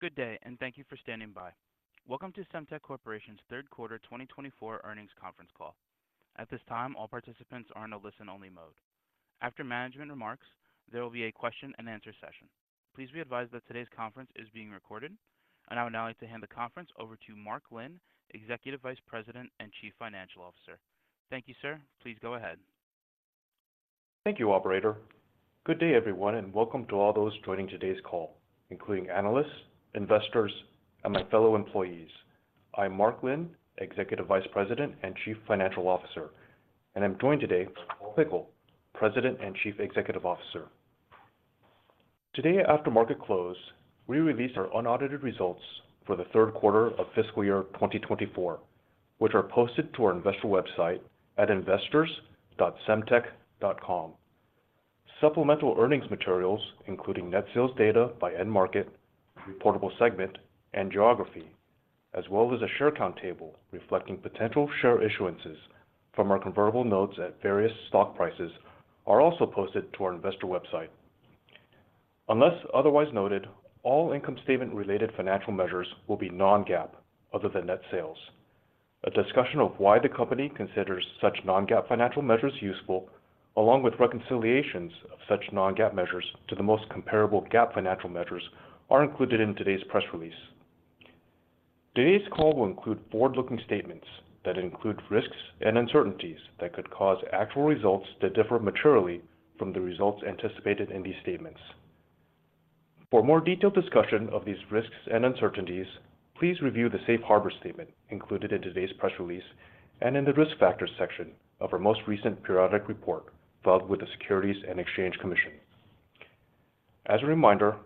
Good day, and thank you for standing by. Welcome to Semtech Corporation's third quarter 2024 earnings conference call. At this time, all participants are in a listen-only mode. After management remarks, there will be a question-and-answer session. Please be advised that today's conference is being recorded. I would now like to hand the conference over to Mark Lin, Executive Vice President and Chief Financial Officer. Thank you, sir. Please go ahead. Thank you, operator. Good day, everyone, and welcome to all those joining today's call, including analysts, investors, and my fellow employees. I'm Mark Lin, Executive Vice President and Chief Financial Officer, and I'm joined today by Paul Pickle, President and Chief Executive Officer. Today, after market close, we released our unaudited results for the third quarter of fiscal year 2024, which are posted to our investor website at investors.semtech.com. Supplemental earnings materials, including net sales data by end market, reportable segment, and geography, as well as a share count table reflecting potential share issuances from our convertible notes at various stock prices, are also posted to our investor website. Unless otherwise noted, all income statement-related financial measures will be non-GAAP, other than net sales. A discussion of why the company considers such non-GAAP financial measures useful, along with reconciliations of such non-GAAP measures to the most comparable GAAP financial measures, are included in today's press release. Today's call will include forward-looking statements that include risks and uncertainties that could cause actual results to differ materially from the results anticipated in these statements. For more detailed discussion of these risks and uncertainties, please review the safe harbor statement included in today's press release and in the Risk Factors section of our most recent periodic report filed with the Securities and Exchange Commission. As a reminder,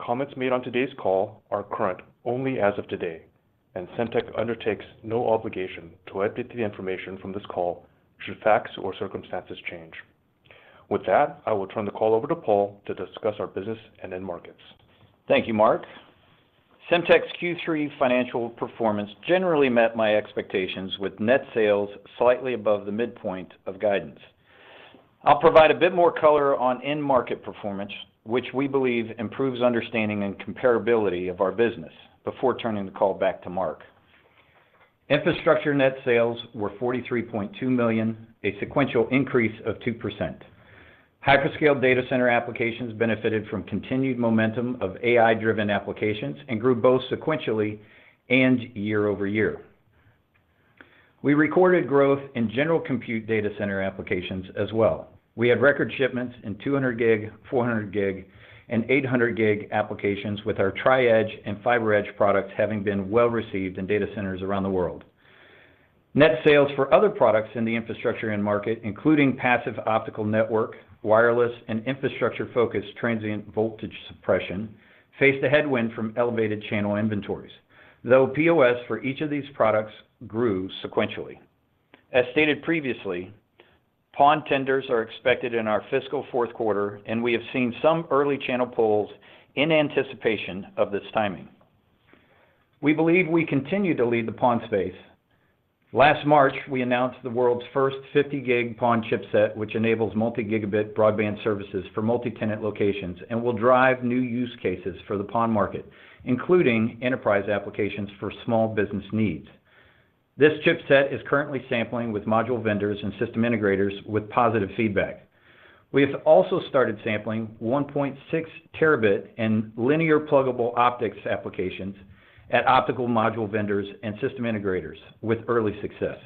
comments made on today's call are current only as of today, and Semtech undertakes no obligation to update the information from this call should facts or circumstances change. With that, I will turn the call over to Paul to discuss our business and end markets. Thank you, Mark. Semtech's Q3 financial performance generally met my expectations, with net sales slightly above the midpoint of guidance. I'll provide a bit more color on end market performance, which we believe improves understanding and comparability of our business, before turning the call back to Mark. Infrastructure net sales were $43.2 million, a sequential increase of 2%. Hyperscale Data Center applications benefited from continued momentum of AI-driven applications and grew both sequentially and year-over-year. We recorded growth in general compute data center applications as well. We had record shipments in 200 gig, 400 gig, and 800 gig applications, with our Tri-Edge and FiberEdge products having been well-received in data centers around the world. Net sales for other products in the infrastructure end market, including passive optical network, wireless, and infrastructure-focused transient voltage suppression, faced a headwind from elevated channel inventories, though POS for each of these products grew sequentially. As stated previously, PON tenders are expected in our fiscal fourth quarter, and we have seen some early channel pulls in anticipation of this timing. We believe we continue to lead the PON space. Last March, we announced the world's first 50G PON chipset, which enables multi-gigabit broadband services for multi-tenant locations and will drive new use cases for the PON market, including enterprise applications for small business needs. This chipset is currently sampling with module vendors and system integrators with positive feedback. We have also started sampling 1.6 terabit in linear pluggable optics applications at optical module vendors and system integrators with early success.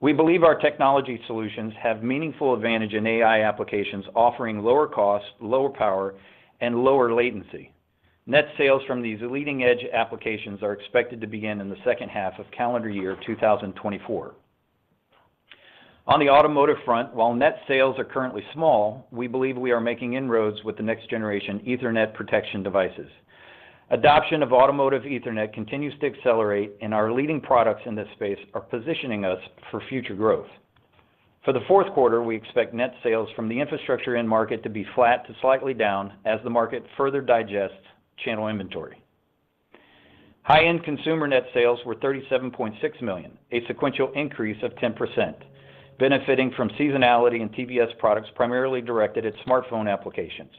We believe our technology solutions have meaningful advantage in AI applications, offering lower cost, lower power, and lower latency. Net sales from these leading-edge applications are expected to begin in the second half of calendar year 2024. On the automotive front, while net sales are currently small, we believe we are making inroads with the next-generation Ethernet protection devices. Adoption of automotive Ethernet continues to accelerate, and our leading products in this space are positioning us for future growth. For the fourth quarter, we expect net sales from the infrastructure end market to be flat to slightly down as the market further digests channel inventory. High-end consumer net sales were $37.6 million, a sequential increase of 10%, benefiting from seasonality in TVS products primarily directed at smartphone applications.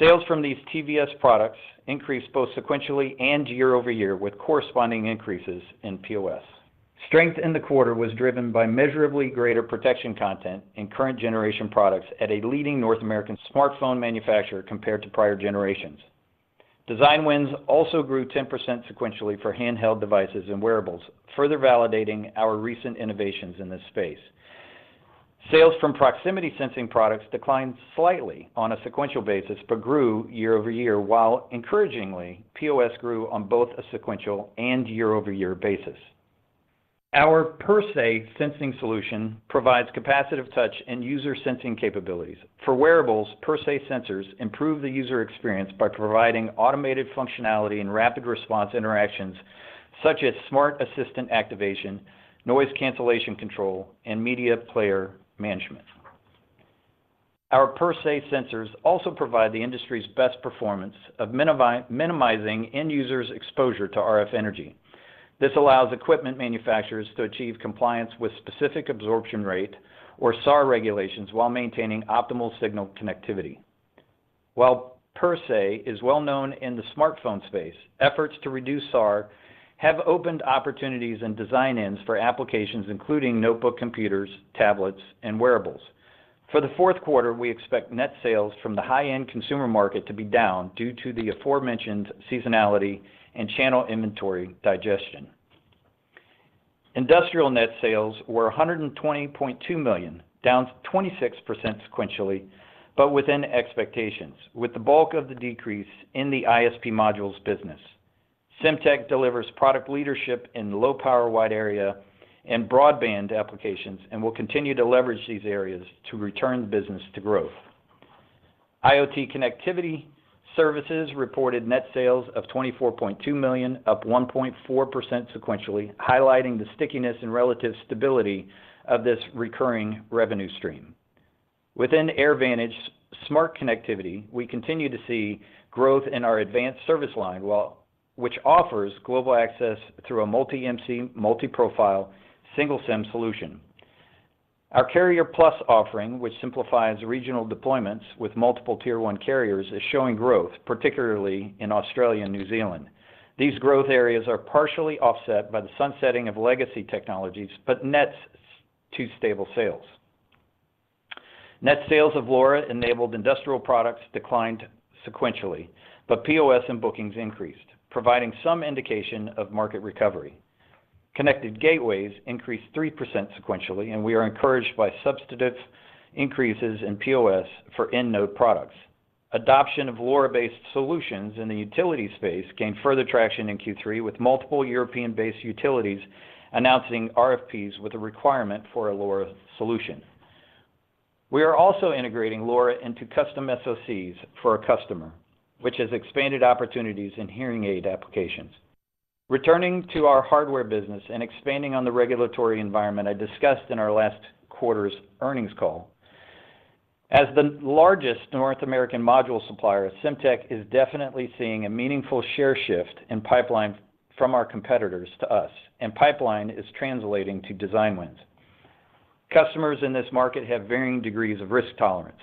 Sales from these TVS products increased both sequentially and year-over-year, with corresponding increases in POS. Strength in the quarter was driven by measurably greater protection content in current generation products at a leading North American smartphone manufacturer compared to prior generations. Design wins also grew 10% sequentially for handheld devices and wearables, further validating our recent innovations in this space. Sales from proximity sensing products declined slightly on a sequential basis, but grew year-over-year, while encouragingly, POS grew on both a sequential and year-over-year basis. Our PerSe sensing solution provides capacitive touch and user-sensing capabilities. For wearables, PerSe sensors improve the user experience by providing automated functionality and rapid response interactions, such as smart assistant activation, noise cancellation control, and media player management. Our PerSe sensors also provide the industry's best performance of minimizing end users' exposure to RF energy.... This allows equipment manufacturers to achieve compliance with specific absorption rate, or SAR regulations, while maintaining optimal signal connectivity. While PerSe is well known in the smartphone space, efforts to reduce SAR have opened opportunities and design-ins for applications, including notebook computers, tablets, and wearables. For the fourth quarter, we expect net sales from the high-end consumer market to be down due to the aforementioned seasonality and channel inventory digestion. Industrial net sales were $120.2 million, down 26% sequentially, but within expectations, with the bulk of the decrease in the IoT modules business. Semtech delivers product leadership in low-power wide area and broadband applications, and will continue to leverage these areas to return the business to growth. IoT Connectivity Services reported net sales of $24.2 million, up 1.4% sequentially, highlighting the stickiness and relative stability of this recurring revenue stream. Within AirVantage Smart Connectivity, we continue to see growth in our Advanced service line, while, which offers global access through a Multi-IMSI, multi-profile, single SIM solution. Our Carrie offering, which simplifies regional deployments with multiple Tier one carriers, is showing growth, particularly in Australia and New Zealand. These growth areas are partially offset by the sunsetting of legacy technologies, but nets to stable sales. Net sales of LoRa-enabled industrial products declined sequentially, but POS and bookings increased, providing some indication of market recovery. Connected gateways increased 3% sequentially, and we are encouraged by substantive increases in POS for end-node products. Adoption of LoRa-based solutions in the utility space gained further traction in Q3, with multiple European-based utilities announcing RFPs with a requirement for a LoRa solution. We are also integrating LoRa into custom SOCs for a customer, which has expanded opportunities in hearing aid applications. Returning to our hardware business and expanding on the regulatory environment I discussed in our last quarter's earnings call. As the largest North American module supplier, Semtech is definitely seeing a meaningful share shift in pipeline from our competitors to us, and pipeline is translating to design wins. Customers in this market have varying degrees of risk tolerance.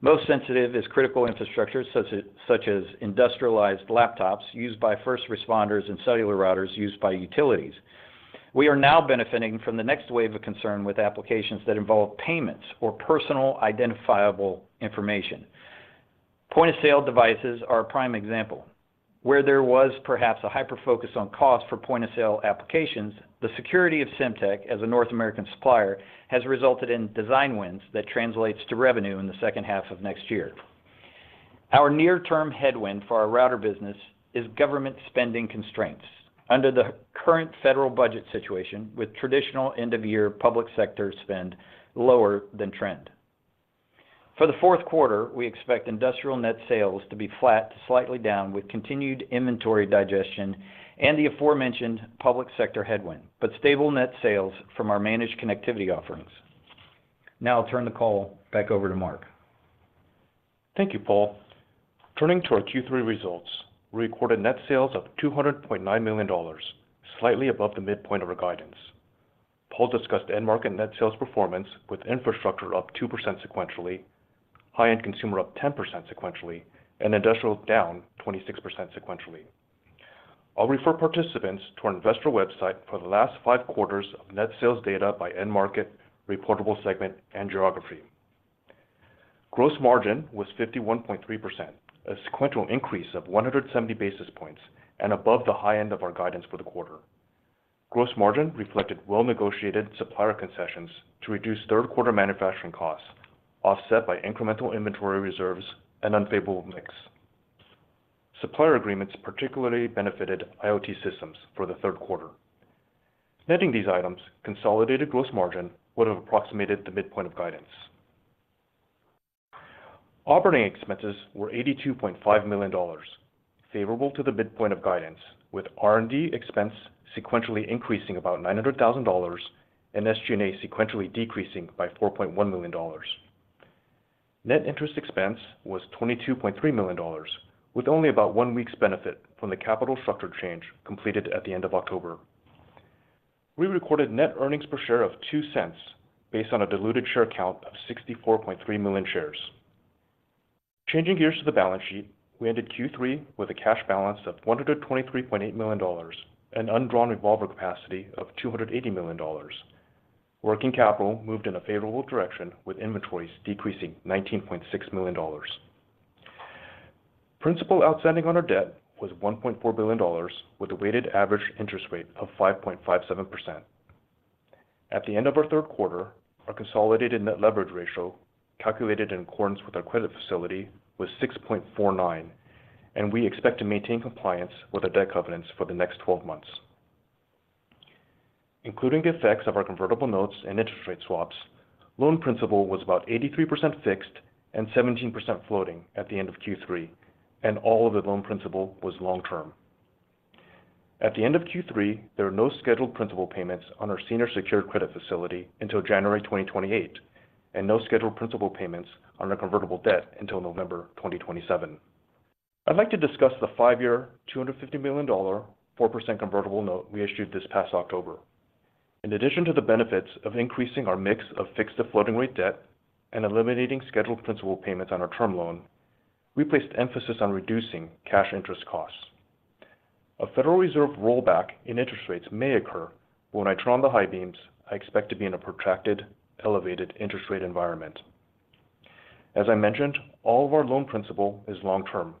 Most sensitive is critical infrastructure, such as industrialized laptops used by first responders and cellular routers used by utilities. We are now benefiting from the next wave of concern with applications that involve payments or personal identifiable information. Point-of-sale devices are a prime example, where there was perhaps a hyper-focus on cost for point-of-sale applications. The security of Semtech as a North American supplier has resulted in design wins that translates to revenue in the second half of next year. Our near-term headwind for our router business is government spending constraints under the current federal budget situation, with traditional end-of-year public sector spend lower than trend. For the fourth quarter, we expect industrial net sales to be flat to slightly down, with continued inventory digestion and the aforementioned public sector headwind, but stable net sales from our managed connectivity offerings. Now I'll turn the call back over to Mark. Thank you, Paul. Turning to our Q3 results, we recorded net sales of $200.9 million, slightly above the midpoint of our guidance. Paul discussed end market net sales performance with infrastructure up 2% sequentially, high-end consumer up 10% sequentially, and industrial down 26% sequentially. I'll refer participants to our investor website for the last five quarters of net sales data by end market, reportable segment, and geography. Gross margin was 51.3%, a sequential increase of 170 basis points and above the high end of our guidance for the quarter. Gross margin reflected well-negotiated supplier concessions to reduce third quarter manufacturing costs, offset by incremental inventory reserves and unfavorable mix. Supplier agreements particularly benefited IoT systems for the third quarter. Netting these items, consolidated gross margin would have approximated the midpoint of guidance. Operating expenses were $82.5 million, favorable to the midpoint of guidance, with R&D expense sequentially increasing about $900,000 and SG&A sequentially decreasing by $4.1 million. Net interest expense was $22.3 million, with only about 1 week's benefit from the capital structure change completed at the end of October. We recorded net earnings per share of $0.02, based on a diluted share count of 64.3 million shares. Changing gears to the balance sheet, we ended Q3 with a cash balance of $123.8 million and undrawn revolver capacity of $280 million. Working capital moved in a favorable direction, with inventories decreasing $19.6 million. Principal outstanding on our debt was $1.4 billion, with a weighted average interest rate of 5.57%. At the end of our third quarter, our consolidated net leverage ratio, calculated in accordance with our credit facility, was 6.49, and we expect to maintain compliance with our debt covenants for the next twelve months. Including the effects of our convertible notes and interest rate swaps, loan principal was about 83% fixed and 17% floating at the end of Q3, and all of the loan principal was long term. At the end of Q3, there were no scheduled principal payments on our senior secured credit facility until January 2028, and no scheduled principal payments on our convertible debt until November 2027. I'd like to discuss the 5-year, $250 million, 4% convertible note we issued this past October. In addition to the benefits of increasing our mix of fixed to floating rate debt and eliminating scheduled principal payments on our term loan, we placed emphasis on reducing cash interest costs. A Federal Reserve rollback in interest rates may occur, but when I turn on the high beams, I expect to be in a protracted, elevated interest rate environment. As I mentioned, all of our loan principal is long-term.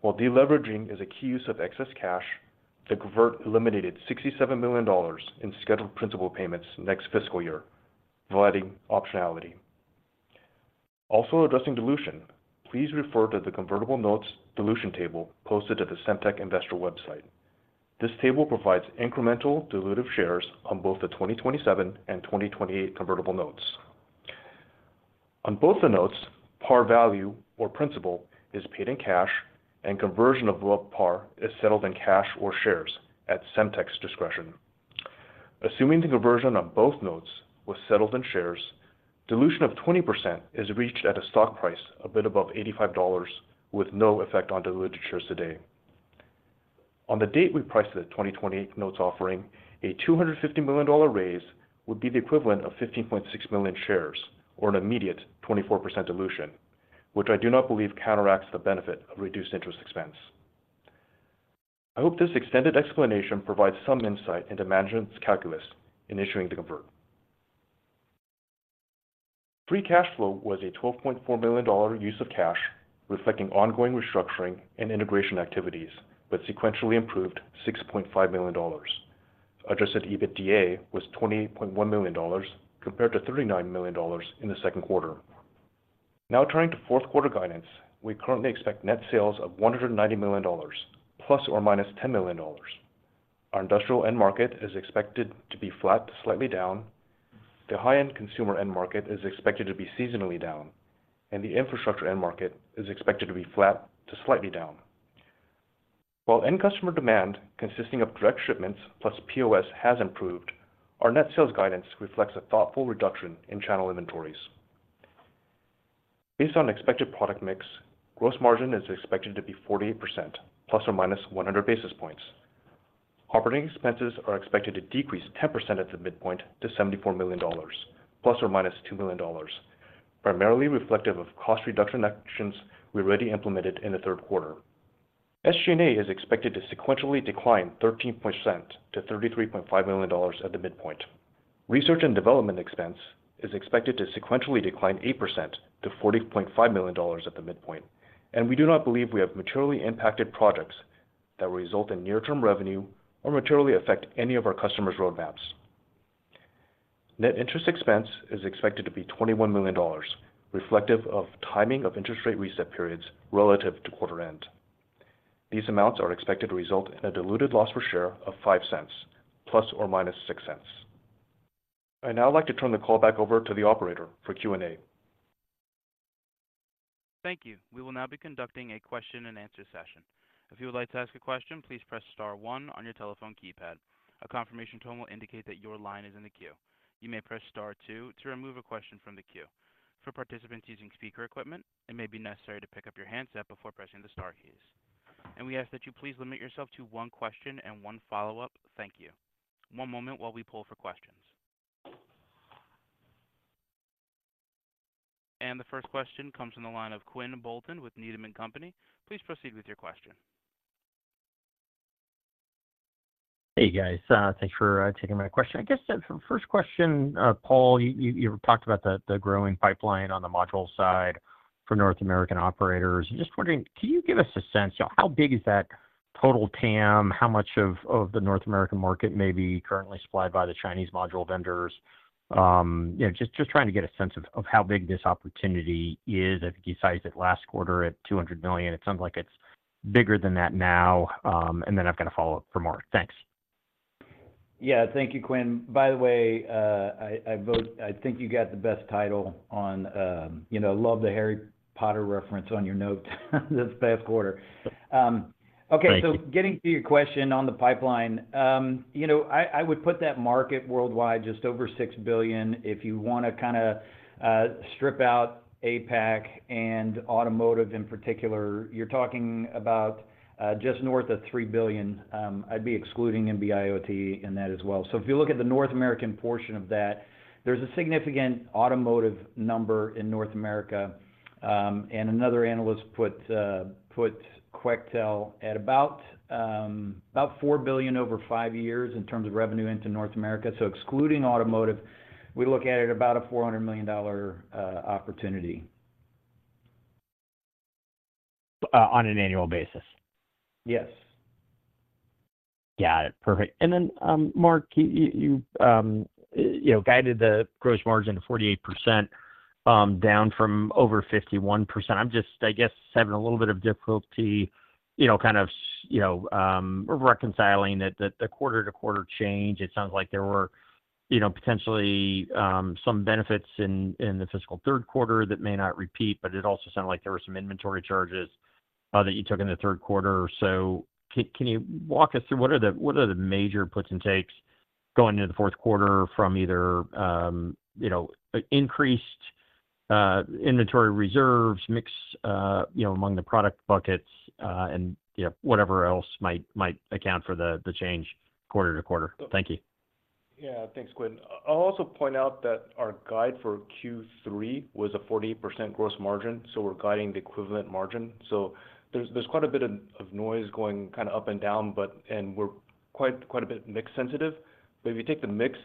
While deleveraging is a key use of excess cash, the convert eliminated $67 million in scheduled principal payments next fiscal year, providing optionality. Also, addressing dilution, please refer to the convertible notes dilution table posted to the Semtech investor website. This table provides incremental dilutive shares on both the 2027 and 2028 convertible notes. On both the notes, par value or principal is paid in cash, and conversion of low par is settled in cash or shares at Semtech's discretion. Assuming the conversion of both notes was settled in shares, dilution of 20% is reached at a stock price a bit above $85, with no effect on diluted shares today. On the date we priced the 2028 notes offering, a $250 million raise would be the equivalent of 15.6 million shares, or an immediate 24% dilution, which I do not believe counteracts the benefit of reduced interest expense. I hope this extended explanation provides some insight into management's calculus in issuing the convert. Free cash flow was a $12.4 million use of cash, reflecting ongoing restructuring and integration activities, but sequentially improved $6.5 million. Adjusted EBITDA was $28.1 million, compared to $39 million in the second quarter. Now turning to fourth quarter guidance. We currently expect net sales of $190 million, ±$10 million. Our industrial end market is expected to be flat to slightly down. The high-end consumer end market is expected to be seasonally down, and the infrastructure end market is expected to be flat to slightly down. While end customer demand, consisting of direct shipments plus POS, has improved, our net sales guidance reflects a thoughtful reduction in channel inventories. Based on expected product mix, gross margin is expected to be 48%, ±100 basis points. Operating expenses are expected to decrease 10% at the midpoint to $74 million, ±$2 million, primarily reflective of cost reduction actions we already implemented in the third quarter. SG&A is expected to sequentially decline 13% to $33.5 million at the midpoint. Research and development expense is expected to sequentially decline 8% to $40.5 million at the midpoint, and we do not believe we have materially impacted projects that will result in near-term revenue or materially affect any of our customers' roadmaps. Net interest expense is expected to be $21 million, reflective of timing of interest rate reset periods relative to quarter end. These amounts are expected to result in a diluted loss per share of $0.05, ±$0.06. I'd now like to turn the call back over to the operator for Q&A. Thank you. We will now be conducting a question-and-answer session. If you would like to ask a question, please press star one on your telephone keypad. A confirmation tone will indicate that your line is in the queue. You may press star two to remove a question from the queue. For participants using speaker equipment, it may be necessary to pick up your handset before pressing the star keys, and we ask that you please limit yourself to one question and one follow-up. Thank you. One moment while we pull for questions. The first question comes from the line of Quinn Bolton with Needham & Company. Please proceed with your question. Hey, guys, thanks for taking my question. I guess the first question, Paul, you talked about the growing pipeline on the module side for North American operators. Just wondering, can you give us a sense, how big is that total TAM? How much of the North American market may be currently supplied by the Chinese module vendors? You know, just trying to get a sense of how big this opportunity is. I think you sized it last quarter at $200 million. It sounds like it's bigger than that now. And then I've got a follow-up for Mark. Thanks. Yeah. Thank you, Quinn. By the way, I vote... I think you got the best title on, you know, love the Harry Potter reference on your note this past quarter. Okay- Thank you. Getting to your question on the pipeline, you know, I would put that market worldwide just over $6 billion. If you wanna kinda strip out APAC and automotive in particular, you're talking about just north of $3 billion. I'd be excluding NB-IoT in that as well. So if you look at the North American portion of that, there's a significant automotive number in North America, and another analyst put Quectel at about about $4 billion over 5 years in terms of revenue into North America. So excluding automotive, we look at it about a $400 million opportunity. On an annual basis? Yes. Got it. Perfect. And then, Mark, you know, guided the gross margin to 48%, down from over 51%. I'm just, I guess, having a little bit of difficulty, you know, kind of, you know, reconciling the quarter-to-quarter change. It sounds like there were, you know, potentially some benefits in the fiscal third quarter that may not repeat, but it also sounded like there were some inventory charges that you took in the third quarter. So can you walk us through what are the major puts and takes going into the fourth quarter from either, you know, increased inventory reserves, mix, you know, among the product buckets, and, you know, whatever else might account for the change quarter to quarter. Thank you. Yeah. Thanks, Quinn. I'll also point out that our guide for Q3 was a 48% gross margin, so we're guiding the equivalent margin. So there's quite a bit of noise going kind of up and down, but and we're quite a bit mix sensitive. But if you take the mix,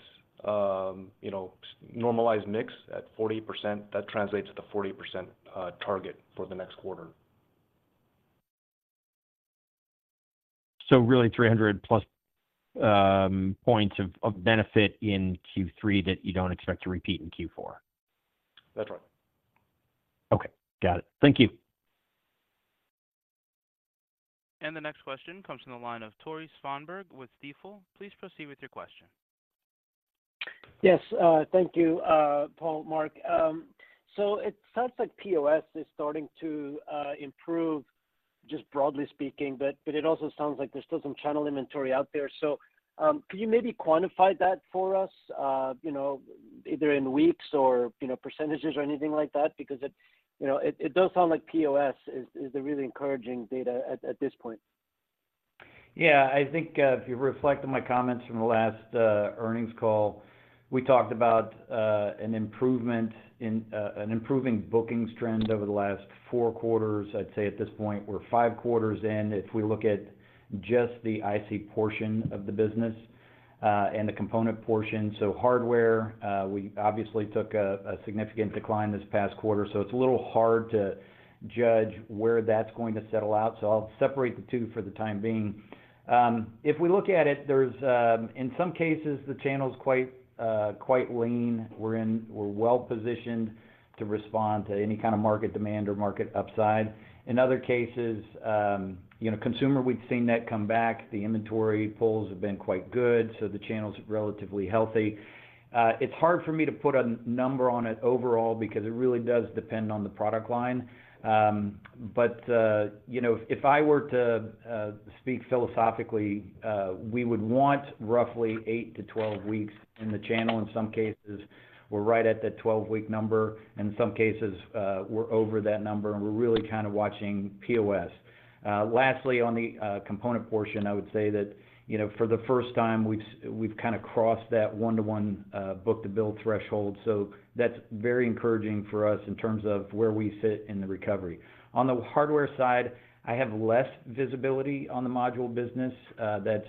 you know, normalize mix at 48%, that translates to the 48% target for the next quarter. Really, 300+ points of benefit in Q3 that you don't expect to repeat in Q4? That's right. Okay. Got it. Thank you. The next question comes from the line of Tore Svanberg with Stifel. Please proceed with your question. Yes, thank you, Paul, Mark. So it sounds like POS is starting to improve, just broadly speaking, but it also sounds like there's still some channel inventory out there. So, could you maybe quantify that for us, you know, either in weeks or, you know, percentages or anything like that? Because it, you know, does sound like POS is the really encouraging data at this point. Yeah, I think, if you reflect on my comments from the last earnings call, we talked about an improving bookings trend over the last 4 quarters. I'd say at this point, we're 5 quarters in, if we look at just the IC portion of the business, and the component portion. So hardware, we obviously took a significant decline this past quarter, so it's a little hard to judge where that's going to settle out. So I'll separate the two for the time being. If we look at it, there's, in some cases, the channel's quite lean. We're well positioned to respond to any kind of market demand or market upside. In other cases, you know, consumer, we've seen that come back. The inventory pulls have been quite good, so the channel's relatively healthy. It's hard for me to put a number on it overall because it really does depend on the product line. But, you know, if I were to speak philosophically, we would want roughly 8-12 weeks in the channel. In some cases, we're right at that 12-week number, and in some cases, we're over that number, and we're really kind of watching POS. Lastly, on the component portion, I would say that, you know, for the first time, we've kind of crossed that 1-to-1 Book-to-Bill threshold, so that's very encouraging for us in terms of where we sit in the recovery. On the hardware side, I have less visibility on the module business, that's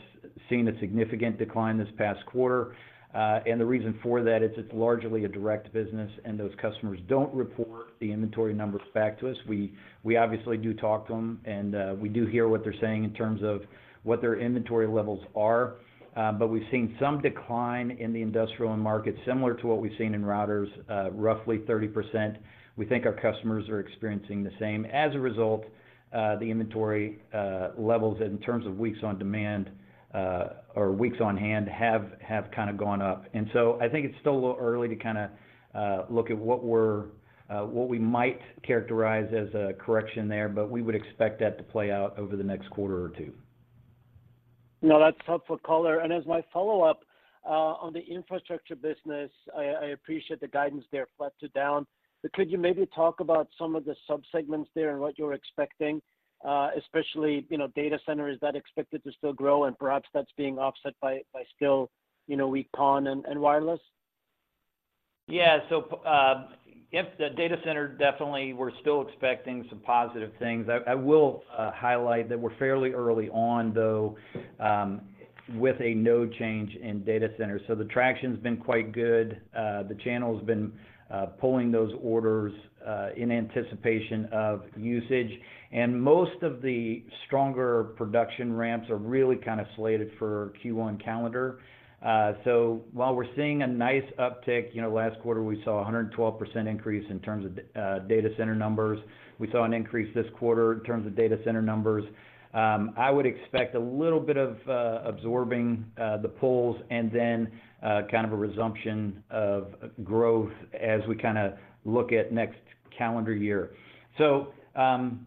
seen a significant decline this past quarter. And the reason for that is it's largely a direct business, and those customers don't report the inventory numbers back to us. We obviously do talk to them, and we do hear what they're saying in terms of what their inventory levels are. But we've seen some decline in the industrial end market, similar to what we've seen in routers, roughly 30%. We think our customers are experiencing the same. As a result, the inventory levels, in terms of weeks on demand, or weeks on hand, have kind of gone up. And so I think it's still a little early to kind of look at what we might characterize as a correction there, but we would expect that to play out over the next quarter or two. No, that's helpful color. As my follow-up on the infrastructure business, I appreciate the guidance there, flat to down. But could you maybe talk about some of the subsegments there and what you're expecting? Especially, you know, data center, is that expected to still grow, and perhaps that's being offset by still, you know, weak PON and wireless? Yeah. So, if the data center, definitely, we're still expecting some positive things. I, I will highlight that we're fairly early on, though, with no change in data center. So the traction's been quite good. The channel's been pulling those orders in anticipation of usage, and most of the stronger production ramps are really kind of slated for Q1 calendar. So while we're seeing a nice uptick, you know, last quarter, we saw a 112% increase in terms of data center numbers. We saw an increase this quarter in terms of data center numbers. I would expect a little bit of absorbing the pulls and then kind of a resumption of growth as we kind of look at next calendar year. So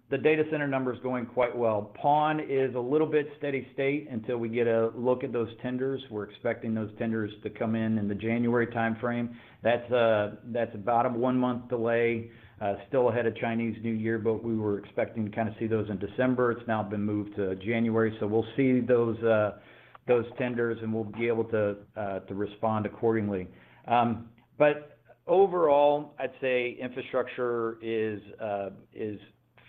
the data center numbers are going quite well. PON is a little bit steady state until we get a look at those tenders. We're expecting those tenders to come in, in the January timeframe. That's, that's about a one-month delay, still ahead of Chinese New Year, but we were expecting to kind of see those in December. It's now been moved to January, so we'll see those, those tenders, and we'll be able to, to respond accordingly. But overall, I'd say infrastructure is, is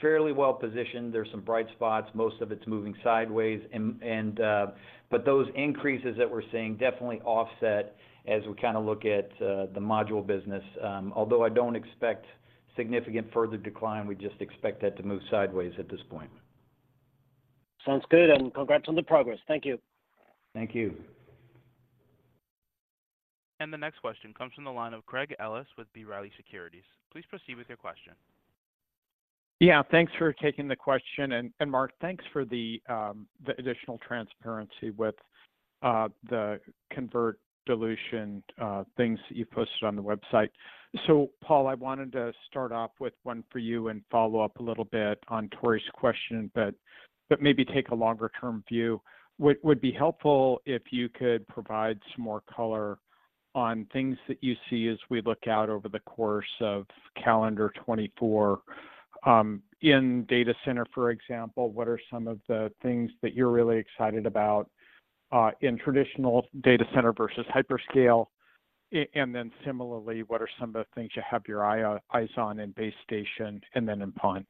fairly well positioned. There's some bright spots. Most of it's moving sideways and, but those increases that we're seeing definitely offset as we kind of look at, the module business. Although I don't expect significant further decline, we just expect that to move sideways at this point. Sounds good, and congrats on the progress. Thank you. Thank you. The next question comes from the line of Craig Ellis with B. Riley Securities. Please proceed with your question. Yeah, thanks for taking the question. And Mark, thanks for the additional transparency with the convert dilution things that you've posted on the website. So Paul, I wanted to start off with one for you and follow up a little bit on Tore's question, but maybe take a longer-term view. What would be helpful if you could provide some more color on things that you see as we look out over the course of calendar 2024 in data center, for example, what are some of the things that you're really excited about in traditional data center versus hyperscale? And then similarly, what are some of the things you have your eyes on in base station and then in PON?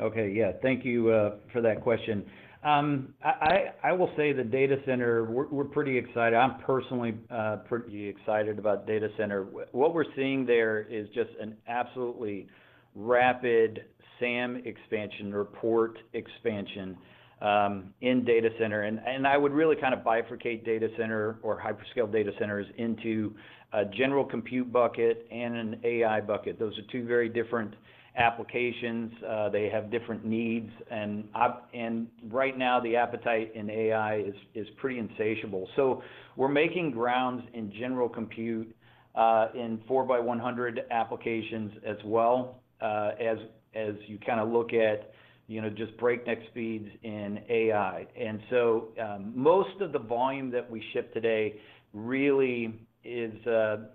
Okay. Yeah, thank you for that question. I will say the data center, we're pretty excited. I'm personally pretty excited about data center. What we're seeing there is just an absolutely rapid SAM expansion, rapid expansion, in data center. And I would really kind of bifurcate data center or hyperscale data centers into a general compute bucket and an AI bucket. Those are two very different applications. They have different needs and right now, the appetite in AI is pretty insatiable. So we're making grounds in general compute in 4 by 100 applications as well, as you kinda look at, you know, just breakneck speeds in AI. And so, most of the volume that we ship today really is,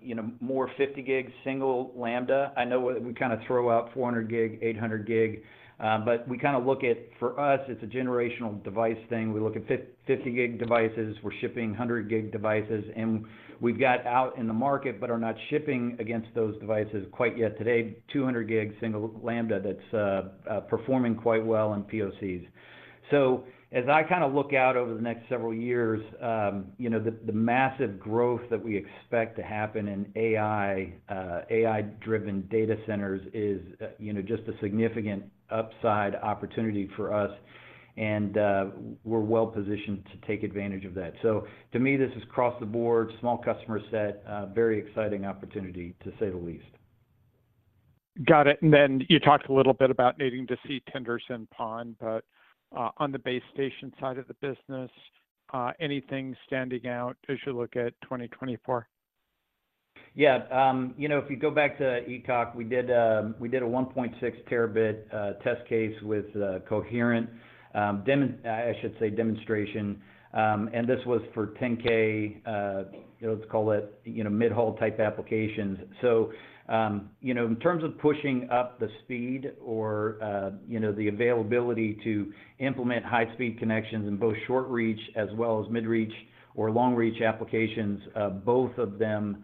you know, more 50 gig single lambda. I know we kinda throw out 400 gig, 800 gig, but we kinda look at, for us, it's a generational device thing. We look at 50 gig devices, we're shipping 100 gig devices, and we've got out in the market, but are not shipping against those devices quite yet today, 200 gig single lambda, that's performing quite well in POCs. So as I kinda look out over the next several years, you know, the massive growth that we expect to happen in AI, AI-driven data centers is you know, just a significant upside opportunity for us, and we're well-positioned to take advantage of that. So to me, this is across the board, small customer set, very exciting opportunity, to say the least. Got it. And then you talked a little bit about needing to see tenders in PON, but, on the base station side of the business, anything standing out as you look at 2024? Yeah. You know, if you go back to ECOC, we did a 1.6 terabit test case with Coherent, I should say, demonstration. And this was for 10 km, let's call it, you know, mid-haul type applications. So, you know, in terms of pushing up the speed or, you know, the availability to implement high-speed connections in both short reach as well as mid-reach or long-reach applications, both of them,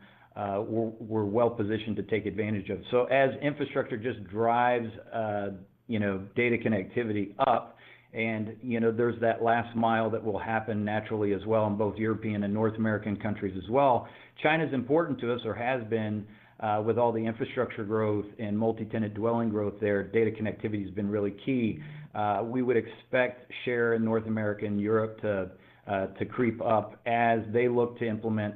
we're well-positioned to take advantage of. So as infrastructure just drives, you know, data connectivity up, and, you know, there's that last mile that will happen naturally as well in both European and North American countries as well. China's important to us or has been, with all the infrastructure growth and multi-tenant dwelling growth there, data connectivity has been really key. We would expect share in North America and Europe to creep up as they look to implement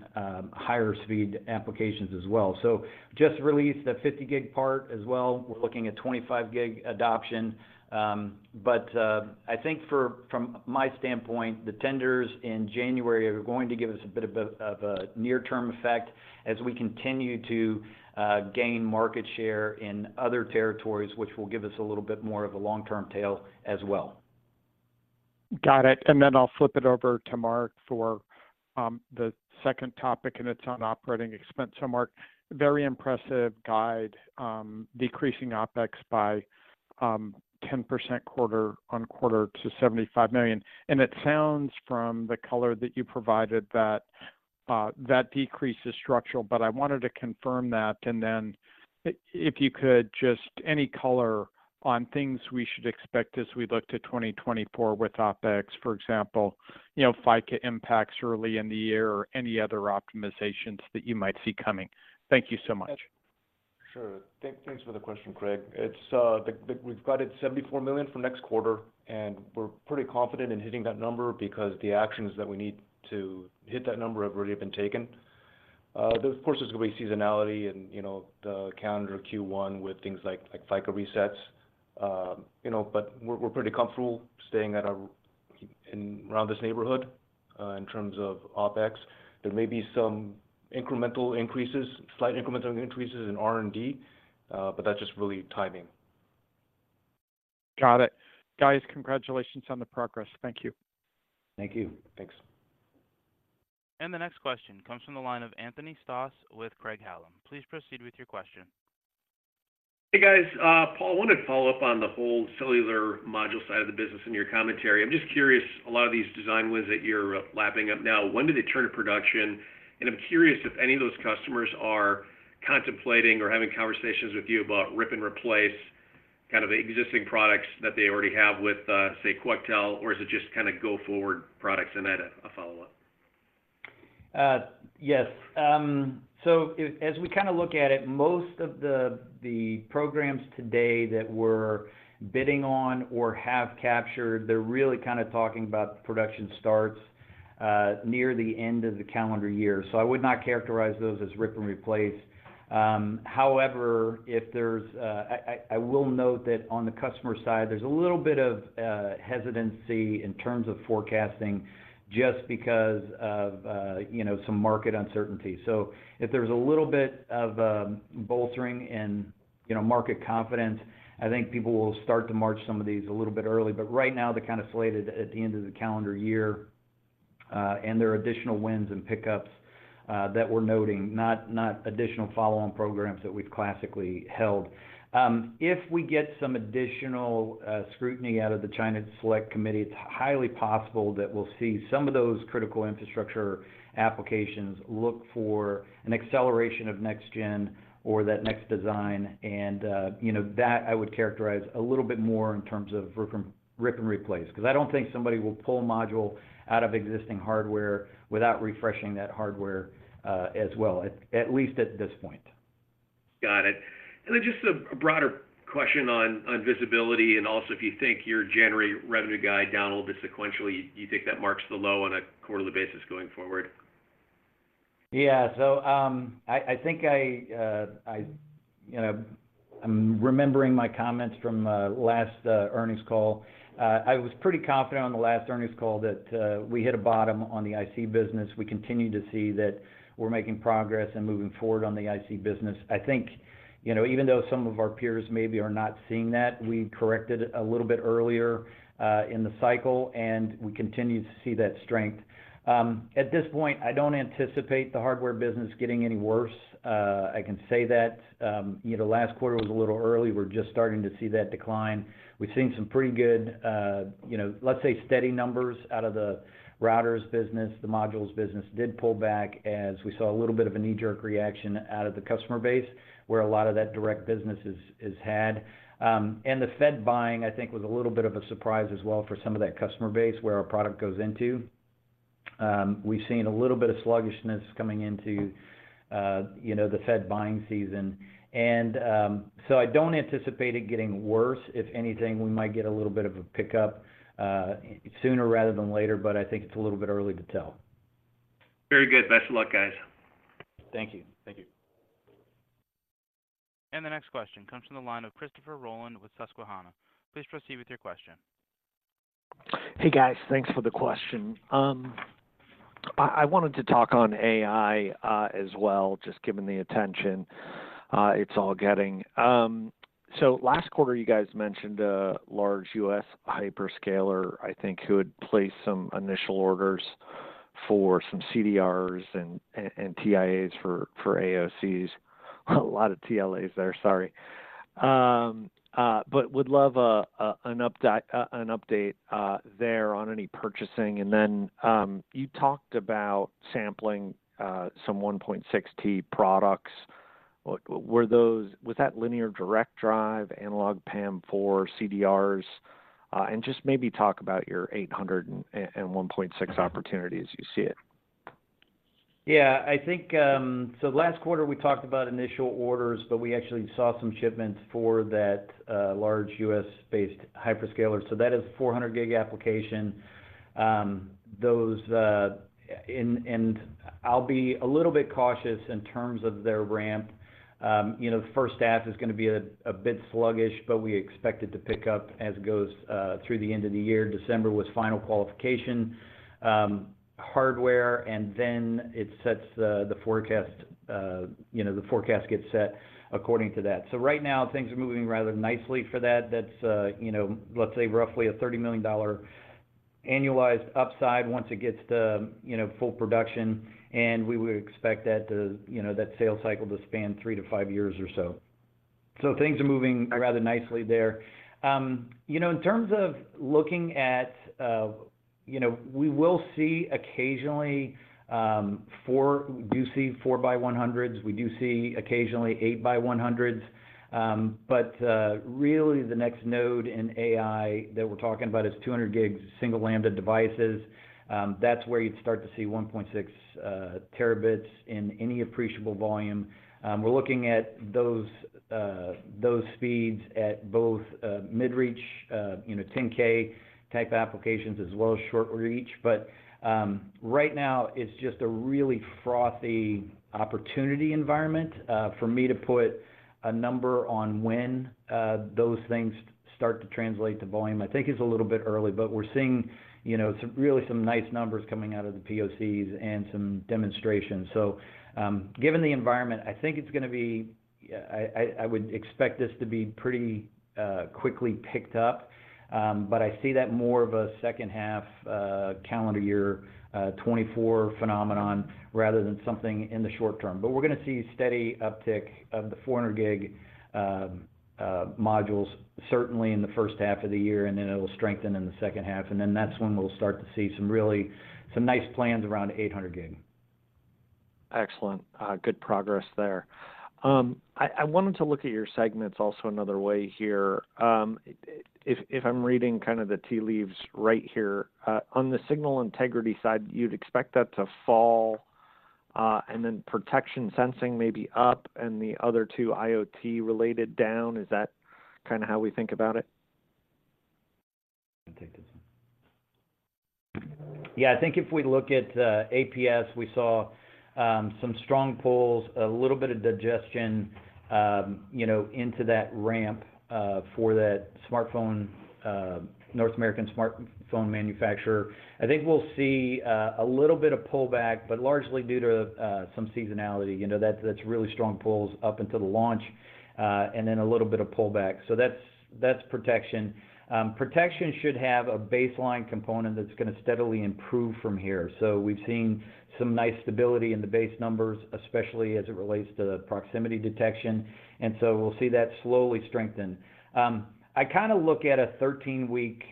higher speed applications as well. So just released the 50 gig part as well. We're looking at 25 gig adoption, but I think from my standpoint, the tenders in January are going to give us a bit of a near-term effect as we continue to gain market share in other territories, which will give us a little bit more of a long-term tail as well. Got it. And then I'll flip it over to Mark for the second topic, and it's on operating expense. So Mark, very impressive guide, decreasing OpEx by 10% quarter-over-quarter to $75 million. And it sounds from the color that you provided that that decrease is structural, but I wanted to confirm that. And then if you could, just any color on things we should expect as we look to 2024 with OpEx, for example, you know, FICA impacts early in the year or any other optimizations that you might see coming. Thank you so much. Sure. Thanks for the question, Craig. It's the—we've got it $74 million for next quarter, and we're pretty confident in hitting that number because the actions that we need to hit that number have already been taken. There, of course, there's gonna be seasonality and, you know, the calendar Q1 with things like, like FICA resets. You know, but we're, we're pretty comfortable staying at, in around this neighbourhood, in terms of OpEx. There may be some incremental increases, slight incremental increases in R&D, but that's just really timing. Got it. Guys, congratulations on the progress. Thank you. Thank you. Thanks. The next question comes from the line of Anthony Stoss with Craig-Hallum. Please proceed with your question. Hey, guys. Paul, I wanted to follow up on the whole cellular module side of the business in your commentary. I'm just curious, a lot of these design wins that you're lapping up now, when do they turn to production? And I'm curious if any of those customers are contemplating or having conversations with you about rip and replace kind of existing products that they already have with, say, Quectel, or is it just kinda go-forward products? And then a follow-up. Yes. So as we kinda look at it, most of the programs today that we're bidding on or have captured, they're really kinda talking about the production starts near the end of the calendar year. So I would not characterize those as rip and replace. However, I will note that on the customer side, there's a little bit of hesitancy in terms of forecasting just because of you know, some market uncertainty. So if there's a little bit of bolstering in, you know, market confidence, I think people will start to march some of these a little bit early. But right now, they're kinda slated at the end of the calendar year. And there are additional wins and pickups that we're noting, not additional follow-on programs that we've classically held. If we get some additional scrutiny out of the China Select Committee, it's highly possible that we'll see some of those critical infrastructure applications look for an acceleration of next gen or that next design. You know, that I would characterize a little bit more in terms of rip and replace, 'cause I don't think somebody will pull a module out of existing hardware without refreshing that hardware, as well, at least at this point. Got it. And then just a broader question on visibility, and also if you think your January revenue guide down a little bit sequentially, do you think that marks the low on a quarterly basis going forward? Yeah. So, I think, you know, I'm remembering my comments from last earnings call. I was pretty confident on the last earnings call that we hit a bottom on the IC business. We continue to see that we're making progress and moving forward on the IC business. I think, you know, even though some of our peers maybe are not seeing that, we corrected it a little bit earlier in the cycle, and we continue to see that strength. At this point, I don't anticipate the hardware business getting any worse. I can say that, you know, the last quarter was a little early. We're just starting to see that decline. We've seen some pretty good, you know, let's say, steady numbers out of the routers business. The modules business did pull back as we saw a little bit of a knee-jerk reaction out of the customer base, where a lot of that direct business is had. And the Fed buying, I think, was a little bit of a surprise as well for some of that customer base where our product goes into. We've seen a little bit of sluggishness coming into, you know, the Fed buying season. And so I don't anticipate it getting worse. If anything, we might get a little bit of a pickup sooner rather than later, but I think it's a little bit early to tell. Very good. Best of luck, guys. Thank you. Thank you. The next question comes from the line of Christopher Rolland with Susquehanna. Please proceed with your question. Hey, guys. Thanks for the question. I wanted to talk on AI as well, just given the attention it's all getting. So last quarter, you guys mentioned a large US hyperscaler, I think, who had placed some initial orders for some CDRs and TIAs for AOCs. A lot of TLAs there, sorry. But would love an update there on any purchasing. And then, you talked about sampling some 1.6 products. Were those linear direct drive, analog PAM4 CDRs? And just maybe talk about your 800 and 1.6 opportunities as you see it. Yeah, I think, so last quarter, we talked about initial orders, but we actually saw some shipments for that large U.S.-based hyperscaler. So that is a 400 gig application. Those, and I'll be a little bit cautious in terms of their ramp. You know, the first half is gonna be a bit sluggish, but we expect it to pick up as it goes through the end of the year. December was final qualification hardware, and then it sets the forecast. You know, the forecast gets set according to that. So right now, things are moving rather nicely for that. That's, you know, let's say roughly a $30 million annualized upside once it gets to, you know, full production, and we would expect that to, you know, that sales cycle to span 3-5 years or so. So things are moving rather nicely there. You know, in terms of looking at, you know, we will see occasionally, we do see 4 by 100s. We do see occasionally 8 by 100s. But, really, the next node in AI that we're talking about is 200 gig Single Lambda devices. That's where you'd start to see 1.6 terabits in any appreciable volume. We're looking at those, those speeds at both, mid-reach, you know, 10K type applications, as well as short reach. But, right now, it's just a really frothy opportunity environment. For me to put a number on when those things start to translate to volume, I think it's a little bit early, but we're seeing, you know, some really nice numbers coming out of the POCs and some demonstrations. So, given the environment, I think it's gonna be... I would expect this to be pretty quickly picked up. But I see that more of a second half calendar year 2024 phenomenon, rather than something in the short term. But we're gonna see steady uptick of the 400 gig modules, certainly in the first half of the year, and then it'll strengthen in the second half, and then that's when we'll start to see some really nice plans around 800 gig. Excellent. Good progress there. I wanted to look at your segments also another way here. If I'm reading kind of the tea leaves right here, on the signal integrity side, you'd expect that to fall, and then protection sensing maybe up and the other two IoT related down. Is that kinda how we think about it? Yeah, I think if we look at APAC, we saw some strong pulls, a little bit of digestion, you know, into that ramp for that smartphone North American smartphone manufacturer. I think we'll see a little bit of pullback, but largely due to some seasonality. You know, that's really strong pulls up until the launch, and then a little bit of pullback. So that's PerSe. PerSe should have a baseline component that's gonna steadily improve from here. So we've seen some nice stability in the base numbers, especially as it relates to proximity detection, and so we'll see that slowly strengthen. I kinda look at a 13-week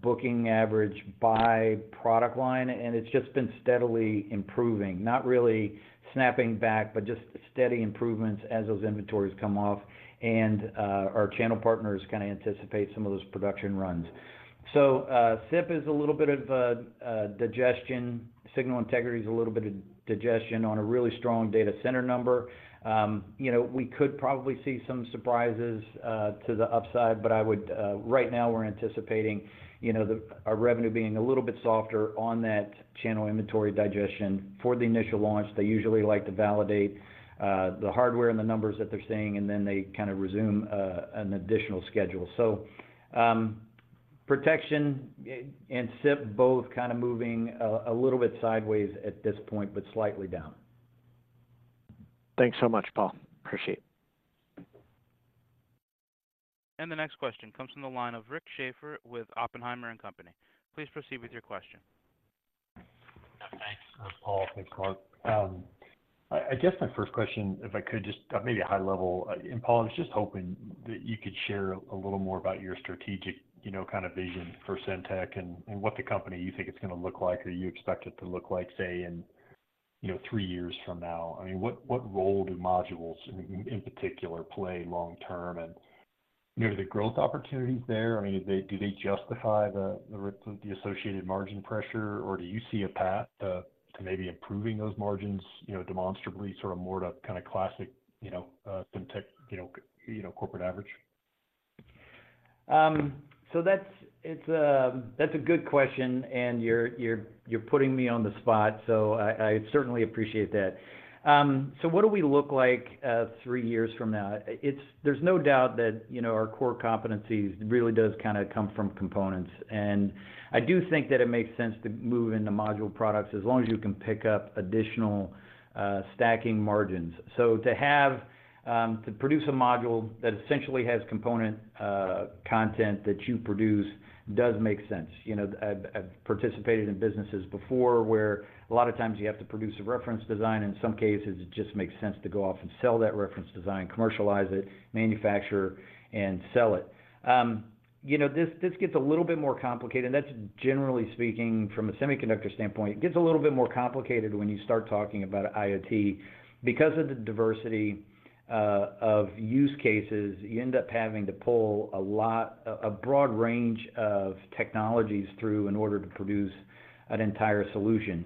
booking average by product line, and it's just been steadily improving. Not really snapping back, but just steady improvements as those inventories come off, and our channel partners kinda anticipate some of those production runs. So, SIP is a little bit of a digestion. Signal integrity is a little bit of digestion on a really strong data center number. You know, we could probably see some surprises to the upside, but I would right now we're anticipating, you know, our revenue being a little bit softer on that channel inventory digestion. For the initial launch, they usually like to validate the hardware and the numbers that they're seeing, and then they kinda resume an additional schedule. So, protection and SIP both kinda moving a little bit sideways at this point, but slightly down. Thanks so much, Paul. Appreciate it. The next question comes from the line of Rick Schafer with Oppenheimer & Company. Please proceed with your question. Yeah, thanks, Paul. Thanks, Mark. I guess my first question, if I could, just maybe a high level. And Paul, I was just hoping that you could share a little more about your strategic, you know, kind of vision for Semtech and, and what the company you think it's gonna look like, or you expect it to look like, say, in, you know, three years from now. I mean, what, what role do modules, in, in particular, play long term? And, you know, are the growth opportunities there? I mean, do they, do they justify the, the associated margin pressure, or do you see a path to, to maybe improving those margins, you know, demonstrably, sort of more to kind of classic, you know, Semtech, you know, you know, corporate average? So that's a good question, and you're putting me on the spot, so I certainly appreciate that. So what do we look like three years from now? There's no doubt that, you know, our core competencies really does kinda come from components. And I do think that it makes sense to move into module products, as long as you can pick up additional stacking margins. So to have to produce a module that essentially has component content that you produce, does make sense. You know, I've participated in businesses before, where a lot of times you have to produce a reference design. In some cases, it just makes sense to go off and sell that reference design, commercialize it, manufacture and sell it. You know, this gets a little bit more complicated, and that's generally speaking, from a semiconductor standpoint. It gets a little bit more complicated when you start talking about IoT. Because of the diversity of use cases, you end up having to pull a lot, a broad range of technologies through, in order to produce an entire solution.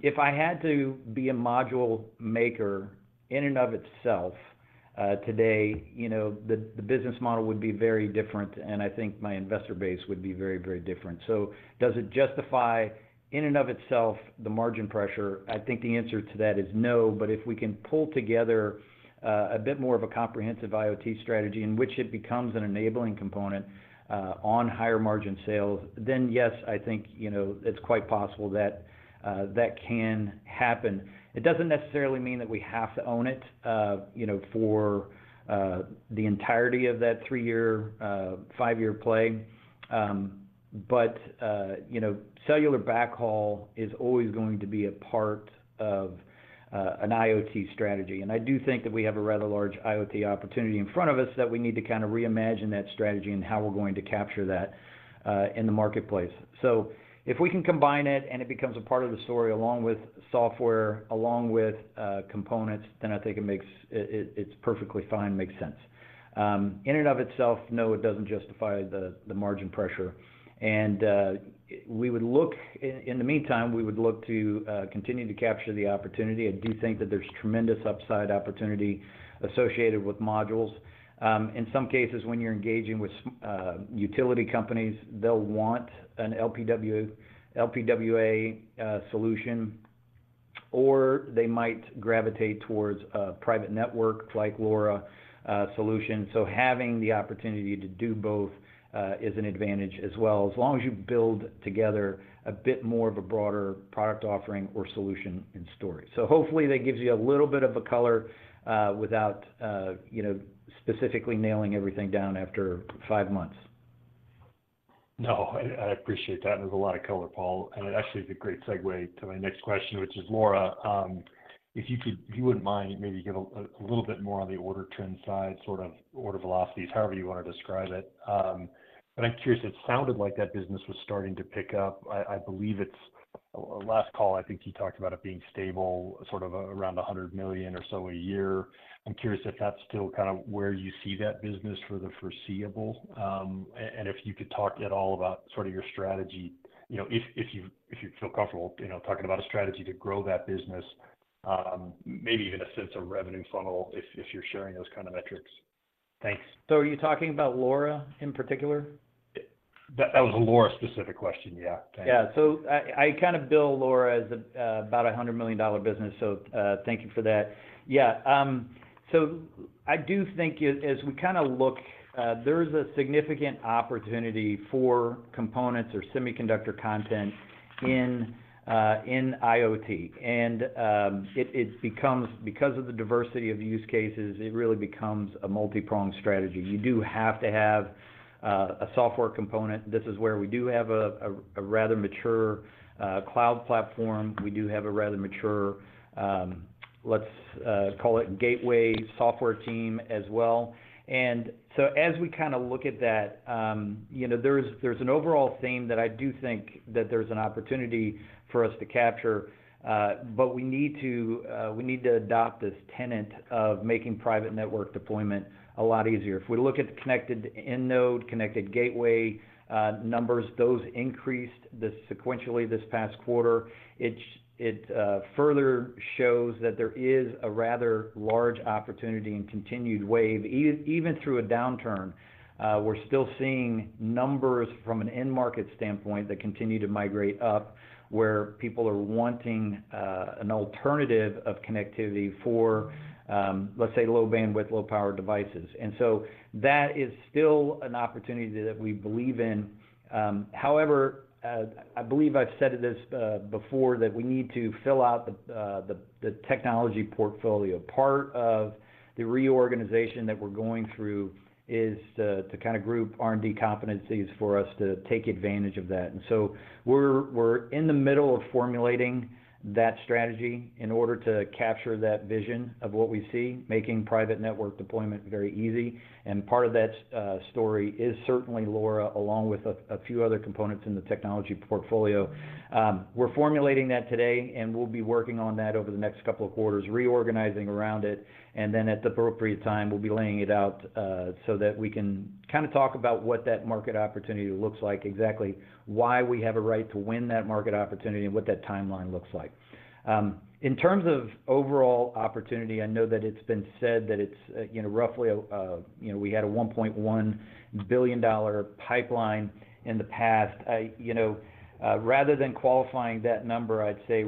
If I had to be a module maker, in and of itself, today, you know, the business model would be very different, and I think my investor base would be very, very different. So does it justify, in and of itself, the margin pressure? I think the answer to that is no. But if we can pull together a bit more of a comprehensive IoT strategy, in which it becomes an enabling component on higher margin sales, then yes, I think, you know, it's quite possible that that can happen. It doesn't necessarily mean that we have to own it, you know, for the entirety of that three-year five-year play. But you know, cellular backhaul is always going to be a part of an IoT strategy. And I do think that we have a rather large IoT opportunity in front of us, that we need to kinda reimagine that strategy and how we're going to capture that in the marketplace. So if we can combine it, and it becomes a part of the story, along with software, along with components, then I think it makes... It's perfectly fine, makes sense. In and of itself, no, it doesn't justify the margin pressure. In the meantime, we would look to continue to capture the opportunity. I do think that there's tremendous upside opportunity associated with modules. In some cases, when you're engaging with utility companies, they'll want an LPWA solution, or they might gravitate towards a private network, like LoRa solution. So having the opportunity to do both is an advantage as well, as long as you build together a bit more of a broader product offering or solution in story. So hopefully, that gives you a little bit of a color without you know, specifically nailing everything down after five months. No, I, I appreciate that, and there's a lot of color, Paul, and it actually is a great segue to my next question, which is LoRa. If you could—you wouldn't mind maybe give a, a little bit more on the order trend side, sort of order velocities, however you wanna describe it. But I'm curious, it sounded like that business was starting to pick up. I, I believe it's... Last call, I think you talked about it being stable, sort of around $100 million or so a year. I'm curious if that's still kinda where you see that business for the foreseeable? And if you could talk at all about sort of your strategy, you know, if you feel comfortable, you know, talking about a strategy to grow that business, maybe even a sense of revenue funnel, if you're sharing those kind of metrics?... Thanks. So are you talking about LoRa in particular? That was a LoRa-specific question, yeah. Yeah. So I kind of bill LoRa as about a $100 million business, so thank you for that. Yeah, so I do think as we kind of look, there's a significant opportunity for components or semiconductor content in IoT. And it becomes, because of the diversity of use cases, it really becomes a multipronged strategy. You do have to have a software component. This is where we do have a rather mature cloud platform. We do have a rather mature, let's call it gateway software team as well. And so as we kind of look at that, you know, there's, there's an overall theme that I do think that there's an opportunity for us to capture, but we need to, we need to adopt this tenet of making private network deployment a lot easier. If we look at the connected end node, connected gateway, numbers, those increased sequentially this past quarter. It further shows that there is a rather large opportunity and continued wave, even through a downturn, we're still seeing numbers from an end market standpoint that continue to migrate up, where people are wanting an alternative of connectivity for, let's say, low bandwidth, low power devices. And so that is still an opportunity that we believe in. However, I believe I've said this before, that we need to fill out the technology portfolio. Part of the reorganization that we're going through is to kind of group R&D competencies for us to take advantage of that. And so we're in the middle of formulating that strategy in order to capture that vision of what we see, making private network deployment very easy. And part of that story is certainly LoRa, along with a few other components in the technology portfolio. We're formulating that today, and we'll be working on that over the next couple of quarters, reorganizing around it, and then at the appropriate time, we'll be laying it out, so that we can kind of talk about what that market opportunity looks like, exactly why we have a right to win that market opportunity, and what that timeline looks like. In terms of overall opportunity, I know that it's been said that it's, you know, roughly, you know, we had a $1.1 billion pipeline in the past. You know, rather than qualifying that number, I'd say,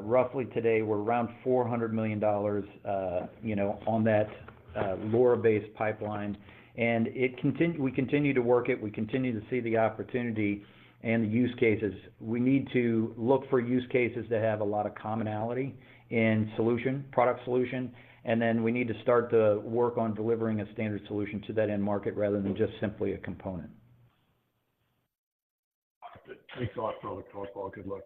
roughly today, we're around $400 million, you know, on that, LoRa-based pipeline, and we continue to work it. We continue to see the opportunity and the use cases. We need to look for use cases that have a lot of commonality in solution, product solution, and then we need to start to work on delivering a standard solution to that end market rather than just simply a component. Thanks a lot for the call, Paul. Good luck.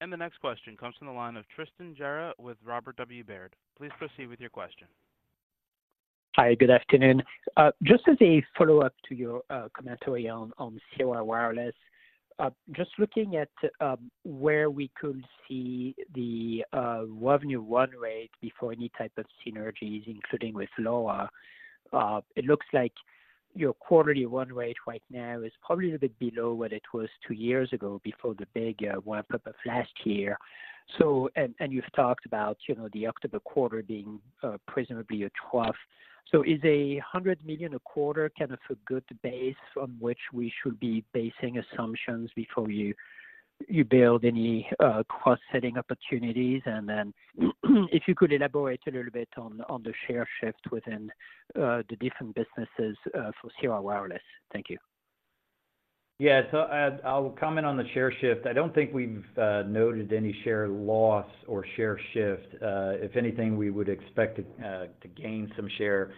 The next question comes from the line of Tristan Gerra with Robert W. Baird. Please proceed with your question. Hi, good afternoon. Just as a follow-up to your commentary on Sierra Wireless, just looking at where we could see the revenue run rate before any type of synergies, including with LoRa, it looks like your quarterly run rate right now is probably a bit below what it was two years ago before the big ramp up of last year. So, you've talked about, you know, the October quarter being presumably a trough. So is $100 million a quarter kind of a good base from which we should be basing assumptions before you build any cross-selling opportunities? And then, if you could elaborate a little bit on the share shift within the different businesses for Sierra Wireless. Thank you. Yeah. So, I'll comment on the share shift. I don't think we've noted any share loss or share shift. If anything, we would expect to gain some share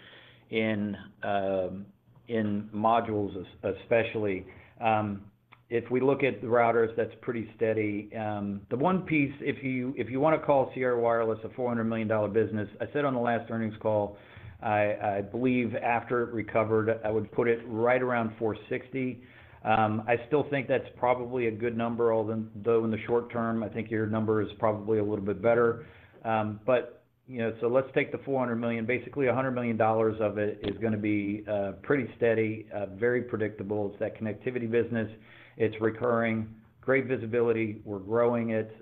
in modules especially. If we look at the routers, that's pretty steady. The one piece, if you wanna call Sierra Wireless a $400 million business, I said on the last earnings call, I believe after it recovered, I would put it right around $460. I still think that's probably a good number, although in the short term, I think your number is probably a little bit better. But, you know, so let's take the $400 million. Basically, $100 million of it is gonna be pretty steady, very predictable. It's that connectivity business. It's recurring, great visibility. We're growing it.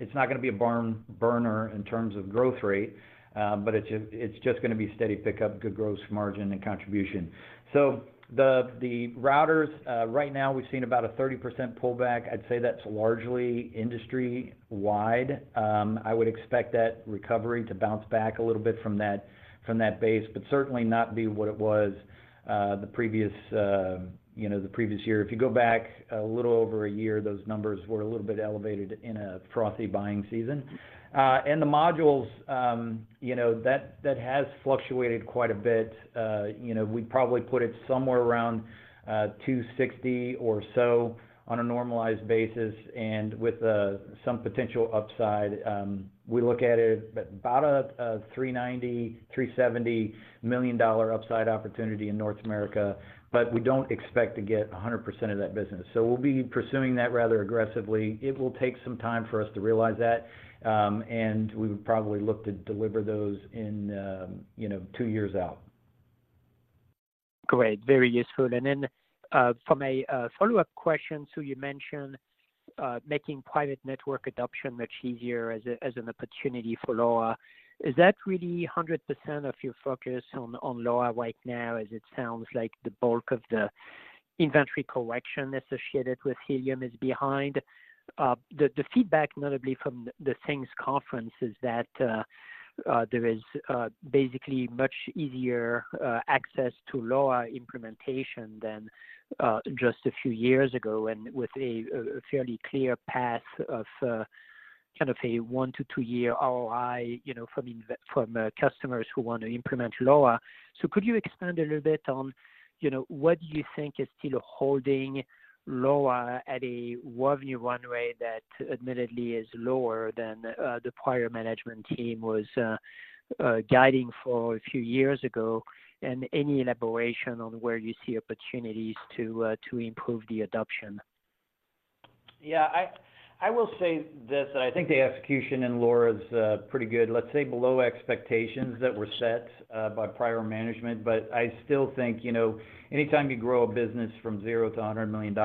It's not gonna be a barn-burner in terms of growth rate, but it's just, it's just gonna be steady pickup, good gross margin and contribution. So the routers, right now we've seen about a 30% pullback. I'd say that's largely industry-wide. I would expect that recovery to bounce back a little bit from that, from that base, but certainly not be what it was, the previous, you know, the previous year. If you go back a little over a year, those numbers were a little bit elevated in a frothy buying season. And the modules, you know, that, that has fluctuated quite a bit. You know, we'd probably put it somewhere around 260 or so on a normalized basis and with some potential upside. We look at it about a $390-$370 million upside opportunity in North America, but we don't expect to get 100% of that business. So we'll be pursuing that rather aggressively. It will take some time for us to realize that, and we would probably look to deliver those in, you know, two years out.... Great, very useful. And then, from a follow-up question, so you mentioned making private network adoption much easier as an opportunity for LoRa. Is that really 100% of your focus on LoRa right now? As it sounds like the bulk of the inventory correction associated with Helium is behind. The feedback, notably from the Things Conference, is that there is basically much easier access to LoRa implementation than just a few years ago, and with a fairly clear path of kind of a 1-2-year ROI, you know, from customers who want to implement LoRa. So could you expand a little bit on, you know, what you think is still holding LoRa at a revenue run rate that admittedly is lower than the prior management team was guiding for a few years ago? And any elaboration on where you see opportunities to improve the adoption? Yeah, I will say this, that I think the execution in LoRa is pretty good. Let's say below expectations that were set by prior management, but I still think, you know, anytime you grow a business from 0 to $100 million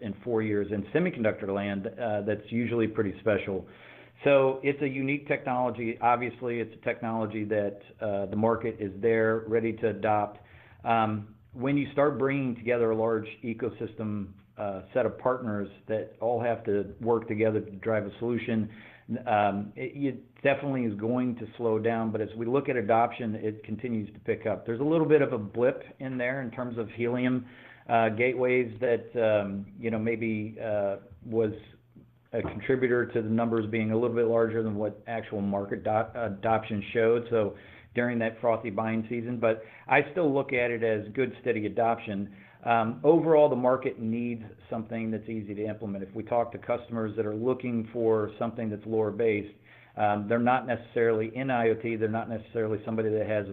in 4 years in semiconductor land, that's usually pretty special. So it's a unique technology. Obviously, it's a technology that the market is there ready to adopt. When you start bringing together a large ecosystem set of partners that all have to work together to drive a solution, it definitely is going to slow down. But as we look at adoption, it continues to pick up. There's a little bit of a blip in there in terms of Helium gateways that, you know, maybe was a contributor to the numbers being a little bit larger than what actual market adoption showed, so during that frothy buying season. But I still look at it as good, steady adoption. Overall, the market needs something that's easy to implement. If we talk to customers that are looking for something that's LoRa-based, they're not necessarily in IoT, they're not necessarily somebody that has,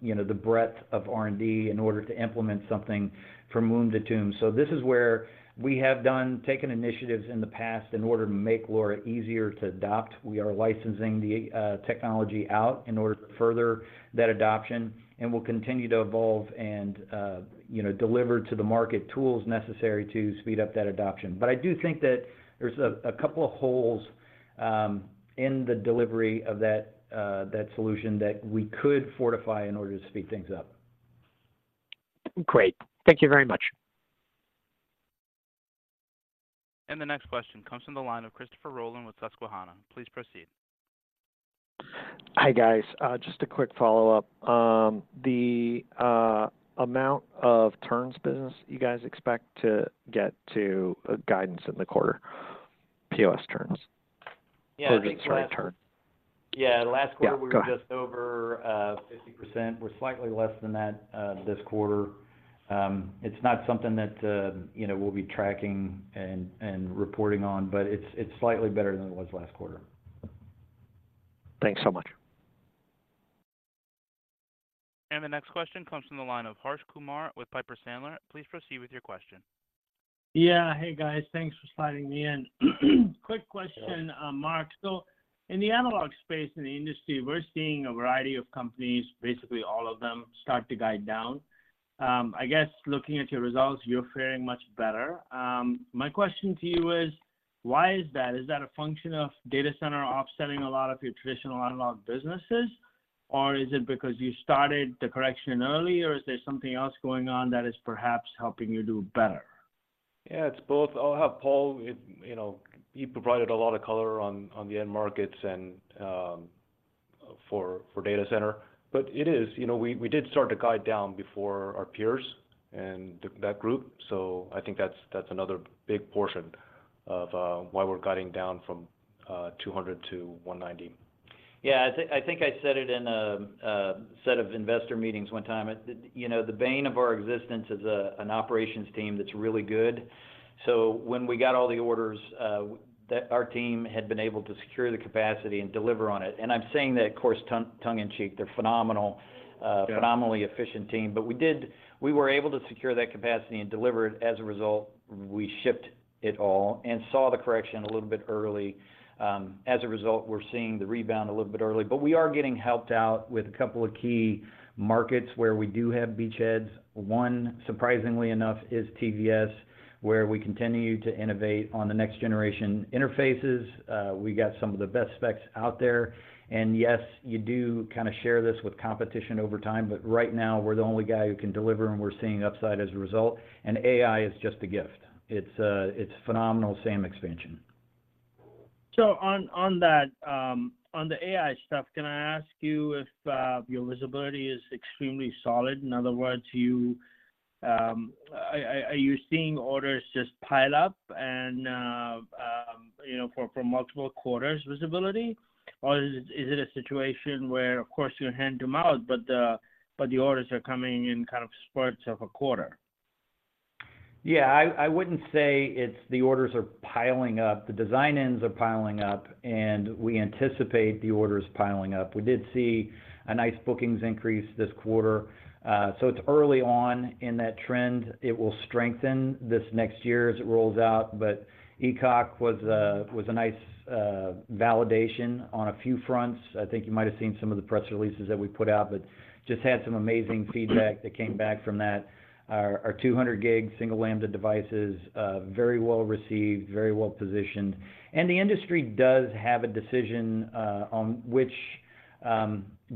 you know, the breadth of R&D in order to implement something from womb to tomb. So this is where we have taken initiatives in the past in order to make LoRa easier to adopt. We are licensing the technology out in order to further that adoption, and we'll continue to evolve and, you know, deliver to the market tools necessary to speed up that adoption. But I do think that there's a couple of holes in the delivery of that solution that we could fortify in order to speed things up. Great. Thank you very much. The next question comes from the line of Christopher Roland with Susquehanna. Please proceed. Hi, guys. Just a quick follow-up. The amount of turns business you guys expect to get to guidance in the quarter, POS turns? Yeah, I think so- Or, sorry, turn. Yeah, the last quarter- Yeah, go ahead.... we were just over 50%. We're slightly less than that this quarter. It's not something that, you know, we'll be tracking and reporting on, but it's slightly better than it was last quarter. Thanks so much. The next question comes from the line of Harsh Kumar with Piper Sandler. Please proceed with your question. Yeah. Hey, guys. Thanks for sliding me in. Quick question, Mark. So in the analog space in the industry, we're seeing a variety of companies, basically all of them, start to guide down. I guess looking at your results, you're faring much better. My question to you is: Why is that? Is that a function of data center offsetting a lot of your traditional analog businesses? Or is it because you started the correction early, or is there something else going on that is perhaps helping you do better? Yeah, it's both. I'll have Paul, you know, he provided a lot of color on the end markets and for data center. But it is, you know, we did start to guide down before our peers and that group, so I think that's another big portion of why we're guiding down from $200 million to $190 million. Yeah, I think I said it in a set of investor meetings one time. You know, the bane of our existence is an operations team that's really good. So when we got all the orders that our team had been able to secure the capacity and deliver on it, and I'm saying that, of course, tongue in cheek, they're phenomenal- Yeah... phenomenally efficient team. But we were able to secure that capacity and deliver it. As a result, we shipped it all and saw the correction a little bit early. As a result, we're seeing the rebound a little bit early, but we are getting helped out with a couple of key markets where we do have beachheads. One, surprisingly enough, is TVS, where we continue to innovate on the next-generation interfaces. We got some of the best specs out there, and yes, you do kinda share this with competition over time, but right now, we're the only guy who can deliver, and we're seeing upside as a result. And AI is just a gift. It's a, it's phenomenal SIM expansion. So on that, on the AI stuff, can I ask you if your visibility is extremely solid? In other words, you Are you seeing orders just pile up and you know, for multiple quarters visibility? Or is it a situation where, of course, you're hand-to-mouth, but the orders are coming in kind of spurts of a quarter? Yeah, I wouldn't say it's the orders are piling up. The design wins are piling up, and we anticipate the orders piling up. We did see a nice bookings increase this quarter. So it's early on in that trend. It will strengthen this next year as it rolls out, but ECOC was a nice validation on a few fronts. I think you might have seen some of the press releases that we put out, but just had some amazing feedback that came back from that. Our 200 gig single lambda device is very well received, very well positioned. And the industry does have a decision on which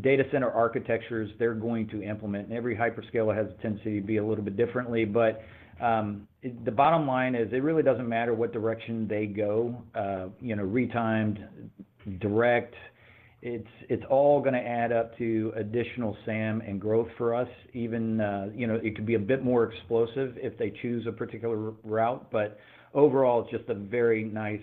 data center architectures they're going to implement, and every hyperscaler has a tendency to be a little bit different. But the bottom line is, it really doesn't matter what direction they go, you know, retimed, direct, it's all gonna add up to additional SAM and growth for us. Even, you know, it could be a bit more explosive if they choose a particular route, but overall, it's just a very nice,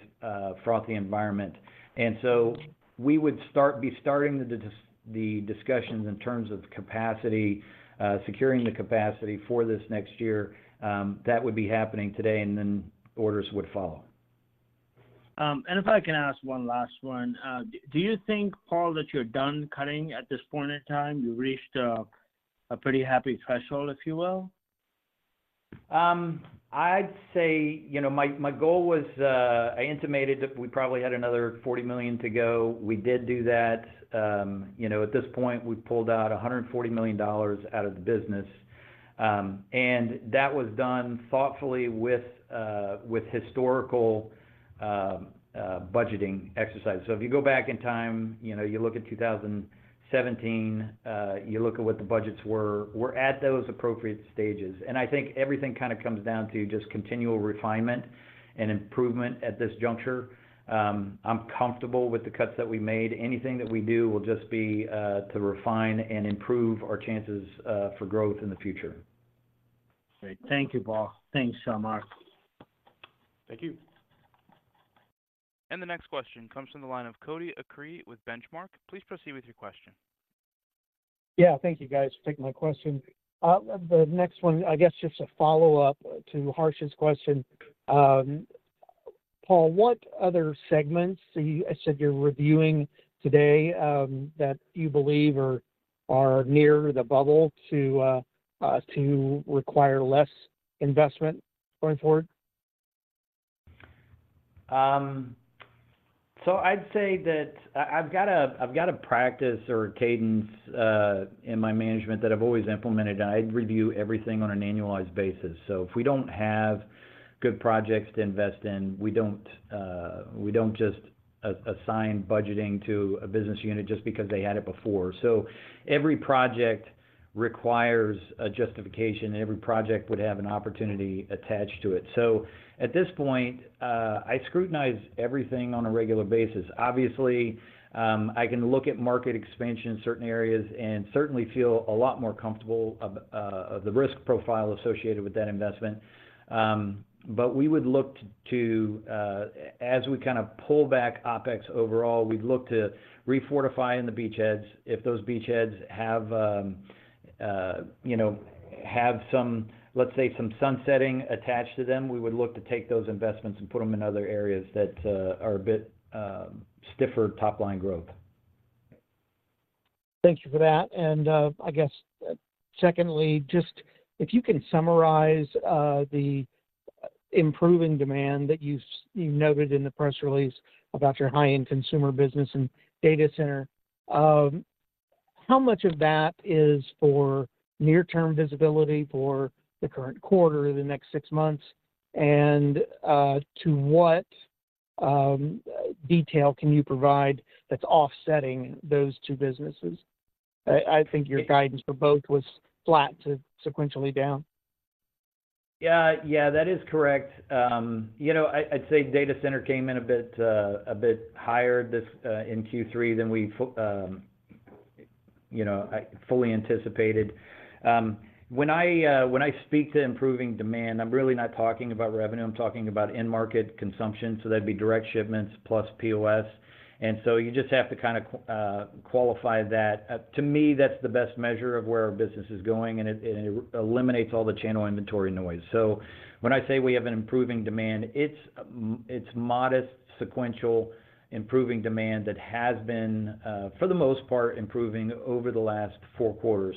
frothy environment. And so we would be starting the discussions in terms of capacity, securing the capacity for this next year. That would be happening today, and then orders would follow. If I can ask one last one. Do you think, Paul, that you're done cutting at this point in time? You've reached a pretty happy threshold, if you will? I'd say, you know, my, my goal was, I intimated that we probably had another $40 million to go. We did do that. You know, at this point, we've pulled out $140 million out of the business. And that was done thoughtfully with, with historical, budgeting exercises. So if you go back in time, you know, you look at 2017, you look at what the budgets were, we're at those appropriate stages. And I think everything kinda comes down to just continual refinement and improvement at this juncture. I'm comfortable with the cuts that we made. Anything that we do will just be, to refine and improve our chances, for growth in the future. Great. Thank you, Paul. Thanks so much. Thank you. The next question comes from the line of Cody Acree with Benchmark. Please proceed with your question. Yeah, thank you, guys, for taking my question. The next one, I guess, just a follow-up to Harsh's question. Paul, what other segments are you—I said you're reviewing today, that you believe are near the bubble to require less investment going forward? So I'd say that I've got a practice or a cadence in my management that I've always implemented. I review everything on an annualized basis. So if we don't have good projects to invest in, we don't just assign budgeting to a business unit just because they had it before. So every project requires a justification, and every project would have an opportunity attached to it. So at this point, I scrutinize everything on a regular basis. Obviously, I can look at market expansion in certain areas and certainly feel a lot more comfortable about the risk profile associated with that investment. But we would look to, as we kinda pull back OpEx overall, we'd look to refortify in the beachheads. If those beachheads have, you know, some, let's say, some sunsetting attached to them, we would look to take those investments and put them in other areas that are a bit stiffer top-line growth. Thank you for that. And, I guess, secondly, just if you can summarize the improving demand that you noted in the press release about your high-end consumer business and data center. How much of that is for near-term visibility for the current quarter or the next six months? And, to what detail can you provide that's offsetting those two businesses? I think your guidance for both was flat to sequentially down. Yeah, yeah, that is correct. You know, I'd, I'd say data center came in a bit, a bit higher this in Q3 than we, you know, I fully anticipated. When I, when I speak to improving demand, I'm really not talking about revenue, I'm talking about end market consumption, so that'd be direct shipments plus POS. And so you just have to kind of qualify that. To me, that's the best measure of where our business is going, and it, it eliminates all the channel inventory noise. So when I say we have an improving demand, it's it's modest, sequential, improving demand that has been, for the most part, improving over the last four quarters.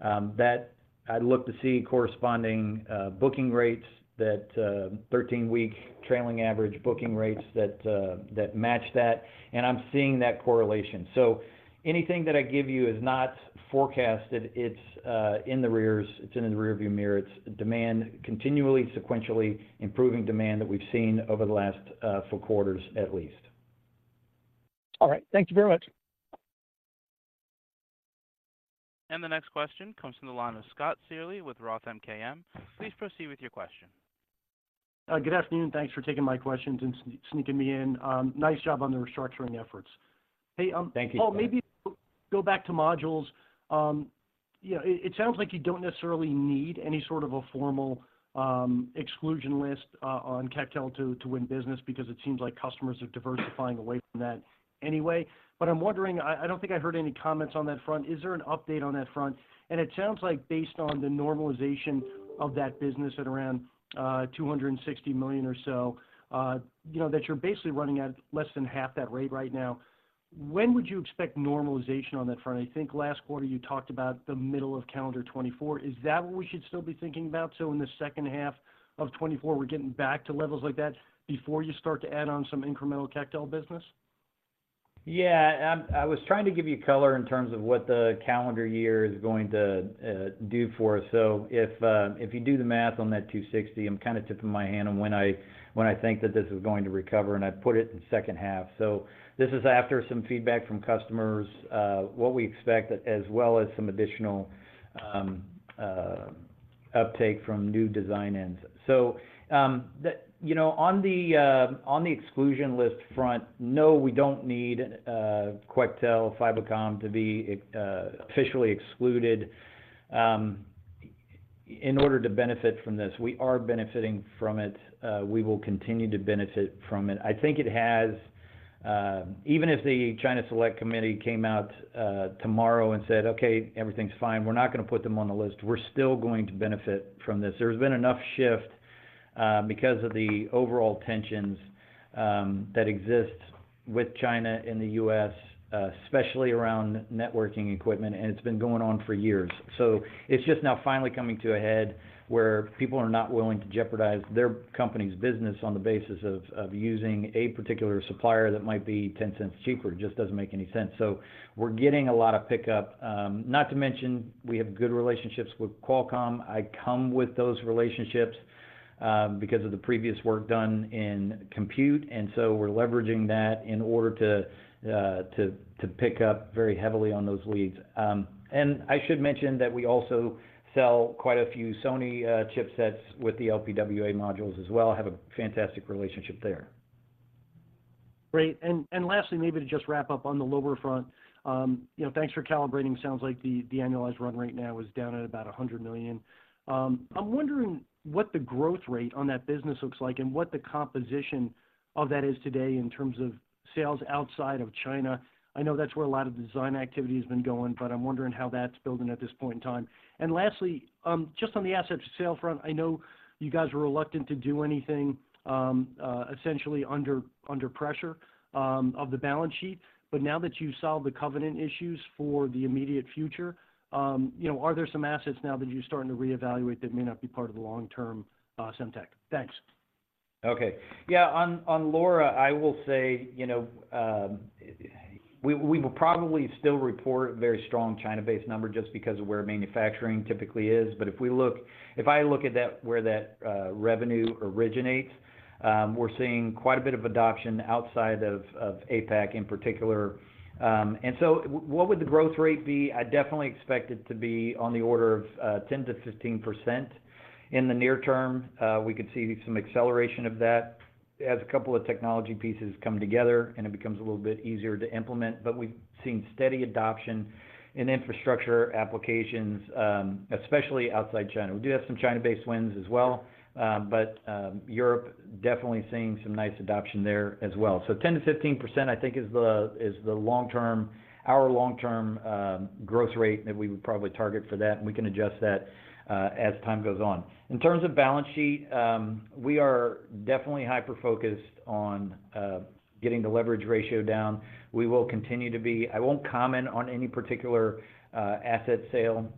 That I'd look to see corresponding booking rates, that 13-week trailing average booking rates that that match that, and I'm seeing that correlation. So anything that I give you is not forecasted, it's in the rearview mirror. It's demand continually, sequentially, improving demand that we've seen over the last 4 quarters at least. All right. Thank you very much. The next question comes from the line of Scott Searle with Roth MKM. Please proceed with your question. Good afternoon, thanks for taking my questions and sneaking me in. Nice job on the restructuring efforts. Thank you. Hey, Paul, maybe go back to modules. You know, it sounds like you don't necessarily need any sort of a formal exclusion list on Quectel to win business, because it seems like customers are diversifying away from that anyway. But I'm wondering, I don't think I heard any comments on that front. Is there an update on that front? And it sounds like based on the normalization of that business at around $260 million or so, you know, that you're basically running at less than half that rate right now. When would you expect normalization on that front? I think last quarter you talked about the middle of calendar 2024. Is that what we should still be thinking about? So in the second half of 2024, we're getting back to levels like that before you start to add on some incremental Quectel business? Yeah, I was trying to give you color in terms of what the calendar year is going to do for us. So if you do the math on that $260, I'm kinda tipping my hand on when I, when I think that this is going to recover, and I'd put it in the second half. So this is after some feedback from customers, what we expect, as well as some additional uptake from new design ins. So, you know, on the exclusion list front, no, we don't need Quectel, Fibocom to be officially excluded in order to benefit from this. We are benefiting from it. We will continue to benefit from it. I think it has -- even if the China Select Committee came out tomorrow and said, "Okay, everything's fine, we're not gonna put them on the list," we're still going to benefit from this. There's been enough shift because of the overall tensions that exist with China and the US, especially around networking equipment, and it's been going on for years. So it's just now finally coming to a head where people are not willing to jeopardize their company's business on the basis of using a particular supplier that might be ten cents cheaper. It just doesn't make any sense. So we're getting a lot of pickup. Not to mention, we have good relationships with Qualcomm. I come with those relationships, because of the previous work done in Compute, and so we're leveraging that in order to pick up very heavily on those leads. And I should mention that we also sell quite a few Sony chipsets with the LPWA modules as well. Have a fantastic relationship there. Great. And lastly, maybe to just wrap up on the LoRa front, you know, thanks for calibrating. Sounds like the annualized run rate now is down at about $100 million. I'm wondering what the growth rate on that business looks like and what the composition of that is today in terms of sales outside of China. I know that's where a lot of design activity has been going, but I'm wondering how that's building at this point in time. And lastly, just on the assets for sale front, I know you guys were reluctant to do anything, essentially under pressure of the balance sheet, but now that you've solved the covenant issues for the immediate future, you know, are there some assets now that you're starting to reevaluate that may not be part of the long term, Semtech? Thanks. Okay. Yeah, on LoRa, I will say, you know, we will probably still report very strong China-based number just because of where manufacturing typically is. But if I look at that, where that revenue originates, we're seeing quite a bit of adoption outside of APAC in particular. And so what would the growth rate be? I definitely expect it to be on the order of 10%-15% in the near term. We could see some acceleration of that as a couple of technology pieces come together, and it becomes a little bit easier to implement. But we've seen steady adoption in infrastructure applications, especially outside China. We do have some China-based wins as well, but Europe, definitely seeing some nice adoption there as well. So 10%-15%, I think, is our long-term growth rate that we would probably target for that, and we can adjust that as time goes on. In terms of balance sheet, we are definitely hyper-focused on getting the leverage ratio down. We will continue to be. I won't comment on any particular asset sale,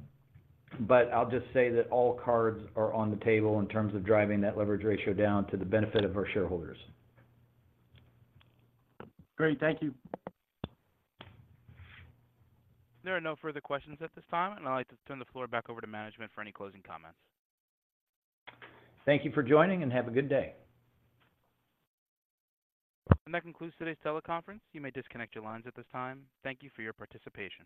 but I'll just say that all cards are on the table in terms of driving that leverage ratio down to the benefit of our shareholders. Great. Thank you. There are no further questions at this time, and I'd like to turn the floor back over to management for any closing comments. Thank you for joining, and have a good day. That concludes today's teleconference. You may disconnect your lines at this time. Thank you for your participation.